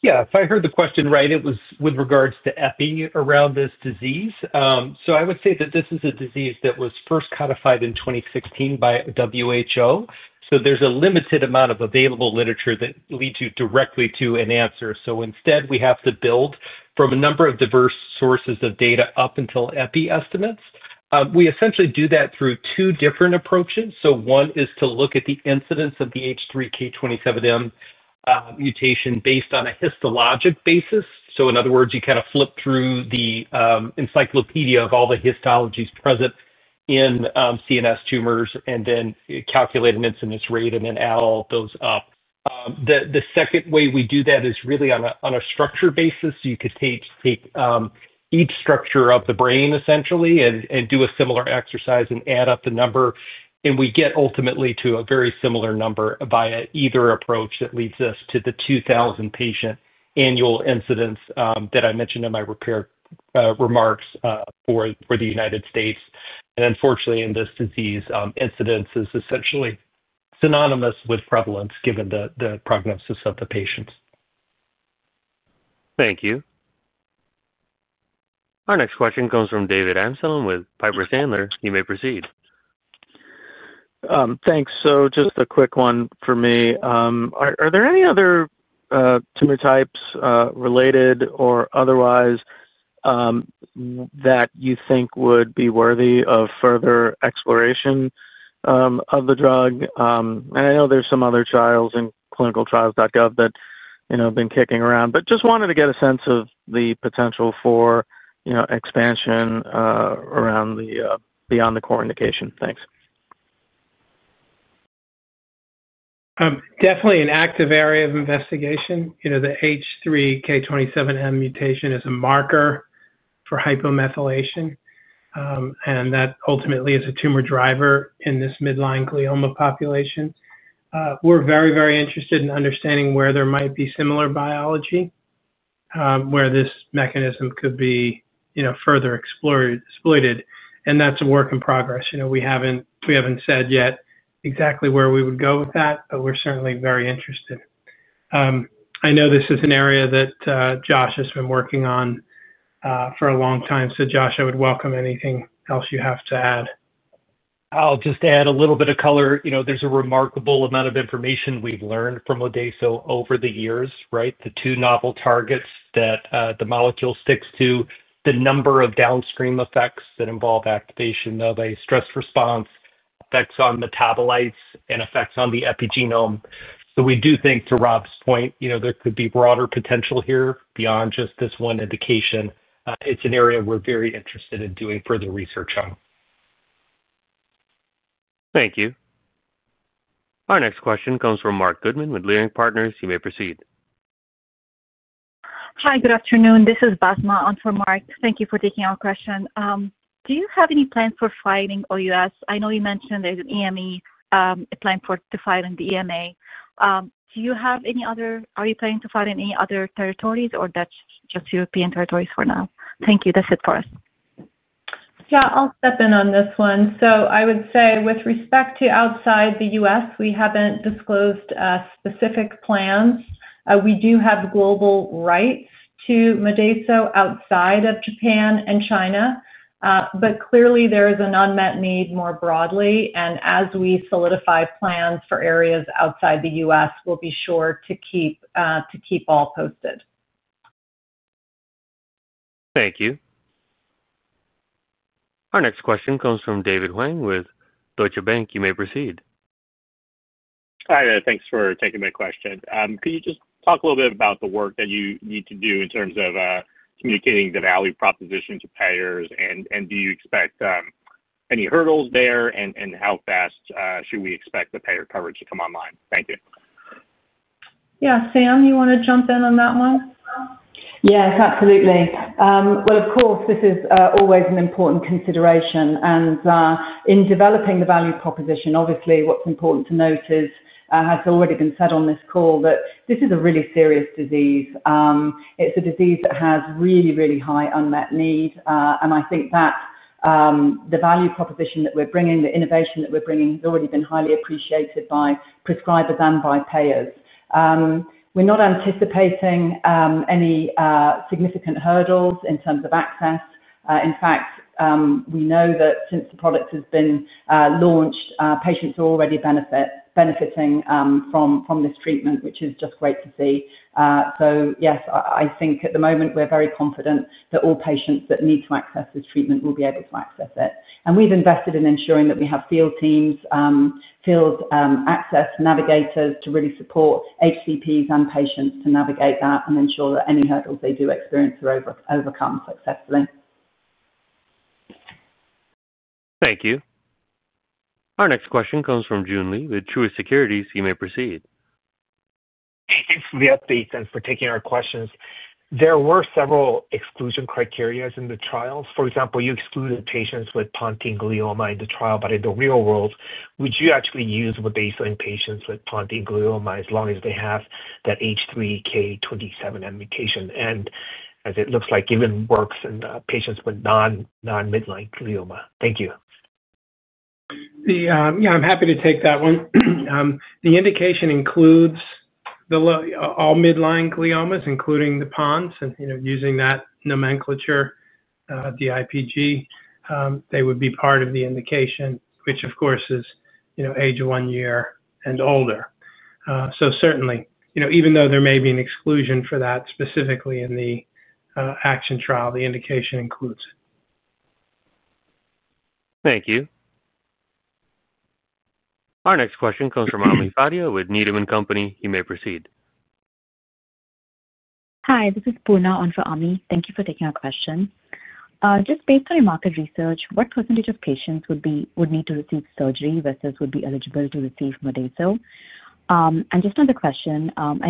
Yeah, if I heard the question right. It was with regards to EPI around this disease. I would say that this is a disease that was first codified in 2016 by WHO. There's a limited amount of available literature that leads you directly to an answer. Instead, we have to build from a number of diverse sources of data up until EPI estimates. We essentially do that through two different approaches. One is to look at the incidence of the H3K27M mutation based on a histologic basis. In other words, you kind of flip through the encyclopedia of all the histologies present in CNS tumors and then calculate an incidence rate and then add all those up. The second way we do that is really on a structured basis, you could take each structure of the brain essentially and do a similar exercise and add up the number and we get ultimately to a very similar number via either approach. That leads us to the 2,000 patient annual incidence that I mentioned in my prepared remarks for the United States. Unfortunately, in this disease, incidence is essentially synonymous with prevalence given the prognosis of the patients. Thank you. Our next question comes from David Anselm with Piper Sandler. You may proceed. Thanks. Just a quick one for me. Are there any other tumor types, related or otherwise, that you think would be worthy of further exploration of the drug? I know there's some other trials. Including ClinicalTrials.gov that have been kicking around, just wanted to get a sense of the potential for expansion around the beyond the core indication. Thanks. Definitely an active area of investigation. The H3K27M mutation is a marker for hypomethylation, and that ultimately is a tumor driver in this midline glioma population. We're very, very interested in understanding where there might be similar biology where this mechanism could be further exploited. That is a work in progress. We haven't said yet exactly where we would go with that, but we're certainly very interested. I know this is an area that Josh has been working on for a long time. Josh, I would welcome anything else you have to add. I'll just add a little bit of color. You know, there's a remarkable amount of information we've learned from Modeyso over the years. The two novel targets that the molecule sticks to, the number of downstream effects that involve activation of a stress response, effects on metabolites, and effects on the epigenome. We do think, to Rob's point, there could be broader potential here beyond just this one indication. It's an area we're very interested in doing further research on. Thank you. Our next question comes from Mark Goodman with Leerink Partners. You may proceed. Hi, good afternoon. This is Basma on for Mark. Thank you for taking our question. Do you have any plans for filling in OUS? I know you mentioned there's an EMEA plan to file in the EMA. Do you have any other, are you planning to file in any other territories or that's just of European territories for now? Thank you. That's it for us. Yeah, I'll step in on this one. I would say with respect to outside the U.S., we haven't disclosed specific plans. We do have global rights to Modeyso, outside of Japan and China. There is an unmet need more broadly, and as we solidify plans for areas outside the U.S., we'll be sure to keep all posted. Thank you. Our next question comes from David Huang with Deutsche Bank. You may proceed. Hi, thanks for taking my question. Can you just talk a little bit? About the work that you need to do in terms of communicating the value proposition to payers, do you expect any hurdles there, and how fast should we expect the payer coverage to come online? Thank you. Yeah, Sam, you want to jump in on that one? Yes, absolutely. Of course, this is always an important consideration. In developing the value proposition, what's important to note is, as has already been said on this call, that this is a really serious disease. It's a disease that has really, really high unmet need. I think that the value proposition that we're bringing, the innovation that we're bringing, has already been highly appreciated by prescribers and by payers. We're not anticipating any significant hurdles in terms of access. In fact, we know that since the product has been launched, patients are already benefiting from this treatment, which is just great to see. Yes, I think at the moment we're very confident that all patients that need to access the treatment will be able to access it. We've invested in ensuring that we have field teams, field access navigators to really support HCPs and patients to navigate and ensure that any hurdles they do. Experiences are overcome successfully. Thank you. Our next question comes from Joon Lee with Truist Securities. You may proceed. Thanks for the update and for taking our questions. There were several exclusion criteria in the trials. For example, you excluded patients with pontine glioma in the trial. In the real world, would you actually use what they saw in patients with pontine glioma, as long as they have that H3K27M mutation and as it looks like even works in patients with non-midline glioma. Thank you. Yeah, I'm happy to take that one. The indication includes all midline gliomas, including the pons using that nomenclature, the DIPG. They would be part of the indication, which of course is age one year and older. Certainly, even though there may be an exclusion for that specifically in the ACTION trial, the indication includes it. Thank you. Our next question comes from Ami Fadia with Needham and Company. You may proceed. Hi, this is Poorna on for Ami. Thank you for taking our question. Just based on your market research, what? What percentage of patients would need to receive surgery versus would be eligible to receive Modeyso? And just another question on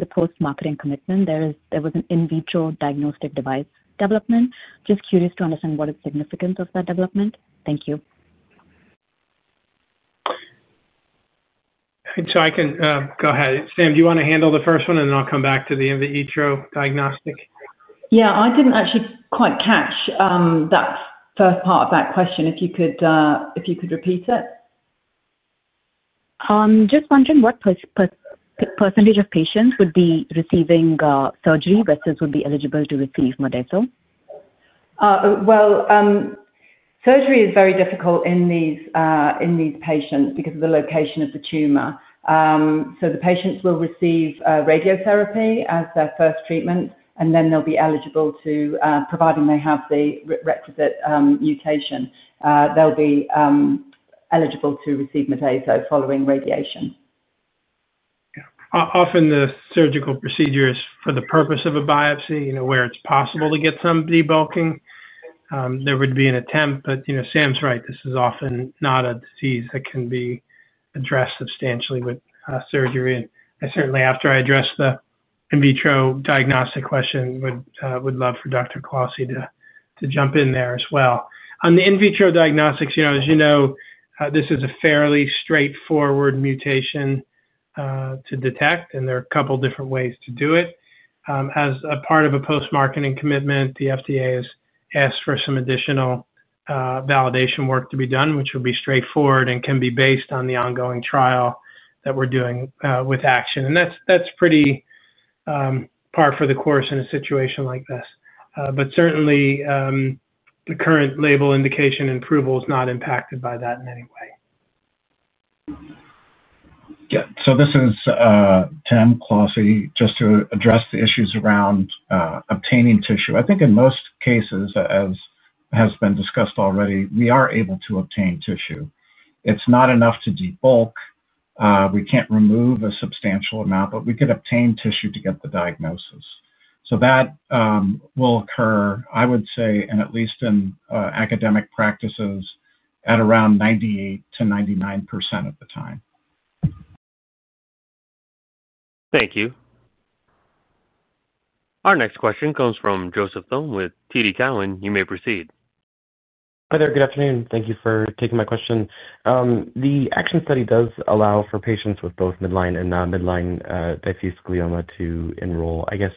the post marketing commitment there is there was an in vitro diagnostic device development. Just curious to understand what is the significance of that development. Thank you. I can go ahead. Sam, do you want to handle the first one and then I'll come back to the in vitro diagnostic? I didn't actually quite catch that first part of that question. If you could repeat it. Just wondering what percentage of patients would be receiving surgery versus would be eligible to receive Modeyso. Surgery is very difficult in these patients because of the location of the tumor. The patients will receive radiotherapy as their first treatment, and then they'll be eligible to, providing they have the requisite mutation, they'll be eligible to receive Modeyso following radiation. Often the surgical procedure is for the purpose of a biopsy, where it's possible to get some debulking. There would be an attempt. Sam's right, this is often not a disease that can be addressed substantially with surgery. I certainly, after I address the in vitro diagnostic question, would love for Dr. Cloughesy to jump in there as well on the in vitro diagnostics. As you know, this is a fairly straightforward mutation to detect and there are a couple different ways to do it. As a part of a post marketing commitment, the FDA has asked for some additional validation work to be done, which will be straightforward and can be based on the ongoing trial that we're doing with ACTION. That's pretty par for the course in a situation like this. Certainly the current label indication and approval is not impacted by that in any way. Yeah. This is Dr. Timothy Cloughesy. Just to address the issues around obtaining tissue, I think in most cases, as has been discussed already, we are able to obtain tissue. It's not enough to debulk. We can't remove a substantial amount, but we could obtain tissue to get the diagnosis. That will occur, I would say, at least in academic practices at around 98%-99% of the time. Thank you. Our next question comes from Joseph Thome with TD Cowen. You may proceed. Hi there, good afternoon. Thank you for taking my question. The ACTION study does allow for patients with both midline and non-midline diffuse glioma to enroll. I guess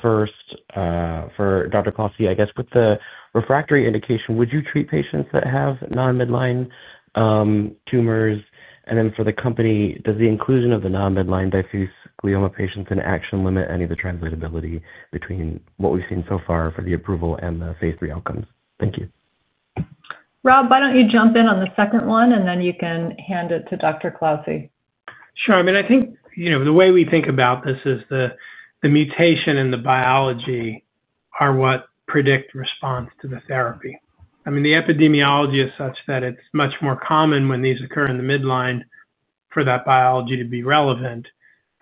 first for Dr. Cloughesy, with the refractory indication, would you treat patients that have non-midline tumors? For the company, does the inclusion of the non-midline diffuse glioma patients in ACTION limit any of the translatability between what we've seen so far for the approval and the phase III outcomes? Thank you. Rob, why don't you jump in on the second one and then you can hand it to Dr. Cloughesy. Sure. I think the way we think about this is the mutation and the biology are what predict response to the therapy. The epidemiology is such that it's much more common when these occur in the midline for that biology to be relevant.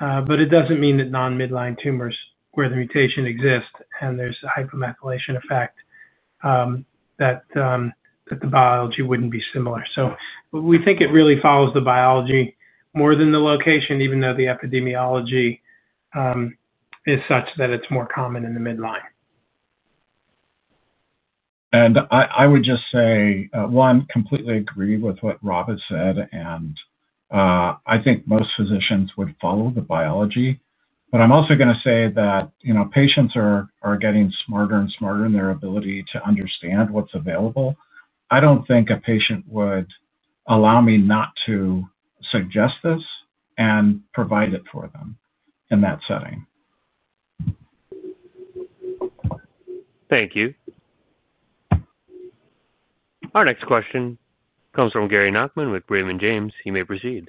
It doesn't mean that non-midline tumors where the mutation exists and there's a hypomethylation effect, that the biology wouldn't be similar. We think it really follows the biology more than the location, even though the epidemiology is such that it's more common in the midline. I would just say I completely agree with what Rob had said, and I think most physicians would follow the biology. I'm also going to say that patients are getting smarter and smarter in their ability to understand what's available. I don't think a patient would allow me not to suggest this and provide it for them in that setting. Thank you. Our next question comes from Gary Nachman with Raymond James. You may proceed.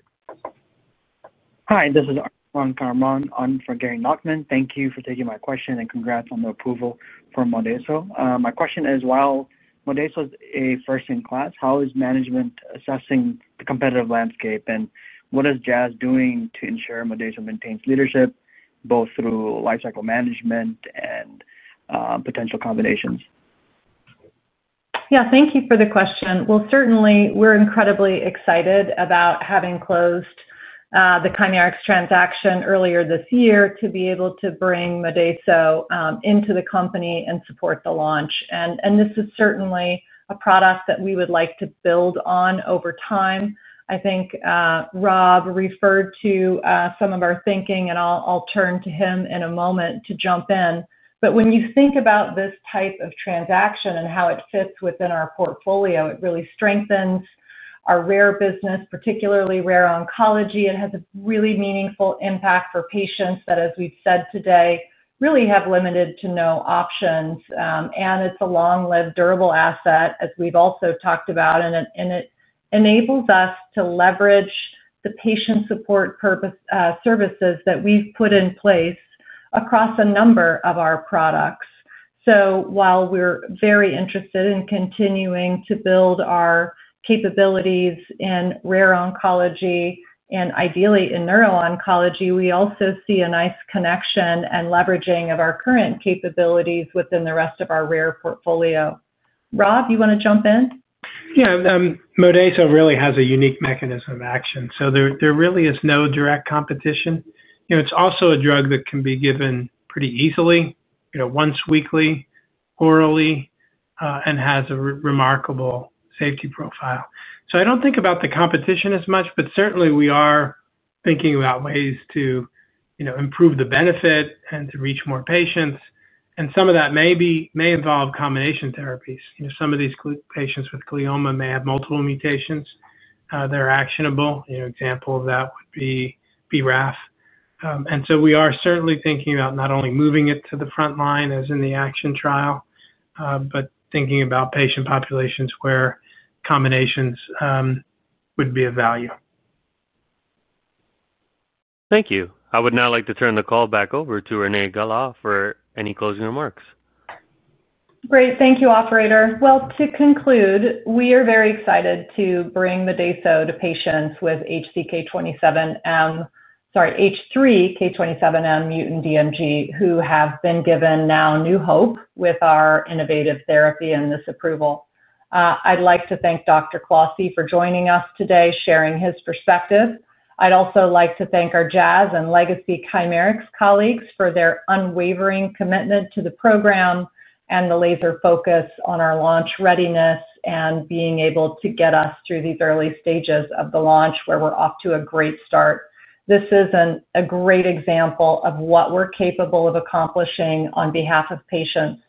Hi, this is Steve Harman. I'm on for Gary Nachman. Thank you for taking my question and congrats on the approval from Modeyso. My question is, while Modeyso is a first in class, how is management assessing the competitive landscape and what is Jazz doing to ensure Modeyso maintains leadership both through life cycle management and potential combinations? Thank you for the question. Certainly we're incredibly excited about having closed the Chimerix transaction earlier this year to be able to bring Modeyso into the company and support the launch. This is certainly a product that we would like to build on over time. I think Rob referred to some of our thinking and I'll turn to him in a moment to jump in. When you think about this type of transaction and how it fits within our portfolio, it really strengthens our rare business, particularly Rare Oncology. It has a really meaningful impact for patients that, as we've said today, really have limited to no options. It's a long-lived, durable asset, as we've also talked about. It enables us to leverage the patient support curb assessment services that we've put in place across a number of our products. While we're very interested in continuing to build our capabilities in Rare Oncology and ideally in Neuro-Oncology, we also see a nice connection and leveraging of our current capabilities within the rest of our rare portfolio. Rob, you want to jump in? Yeah. Modeyso really has a unique mechanism of action. There really is no direct competition. It's also a drug that can be given pretty easily, once weekly orally, and has a remarkable safety profile. I don't think about the competition as much, but certainly we are thinking about ways to improve the benefit and to reach more patients. Some of that may involve combination therapies. Some of these patients with glioma may have multiple mutations that are actionable. Example of that would be BRAF. We are certainly thinking about not only moving it to the frontline as in the ACTION trial, but thinking about patient populations where combinations would be of value. Thank you. I would now like to turn the call back over to Renee Gala for any closing remarks. Great. Thank you, operator. To conclude, we are very excited to bring Modeyso to patients with H3K27M-mutant diffuse midline glioma who have been given now new hope with our innovative therapy and this approval. I'd like to thank Dr. Cloughesy for joining us today, sharing his perspective. I'd also like to thank our Jazz and legacy Chimerix colleagues for their unwavering commitment to the program and the laser focus on our launch readiness and being able to get us through these early stages of the launch where we're off to a great start. This is a great example of what we're capable of accomplishing on behalf of patients.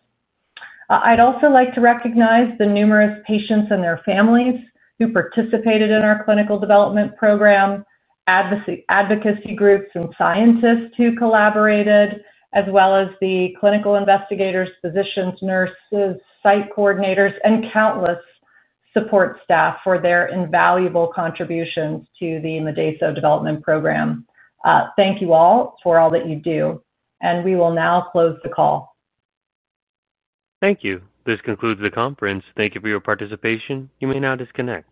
I'd also like to recognize the numerous patients and their families who participated in our clinical development program, advocacy groups and scientists who collaborated, as well as the clinical investigators, physicians, nurse site coordinators, and countless support staff for their invaluable contributions to the Modeyso development program. Thank you all for all that you do. We will now close the call. Thank you. This concludes the conference. Thank you for your participation. You may now disconnect.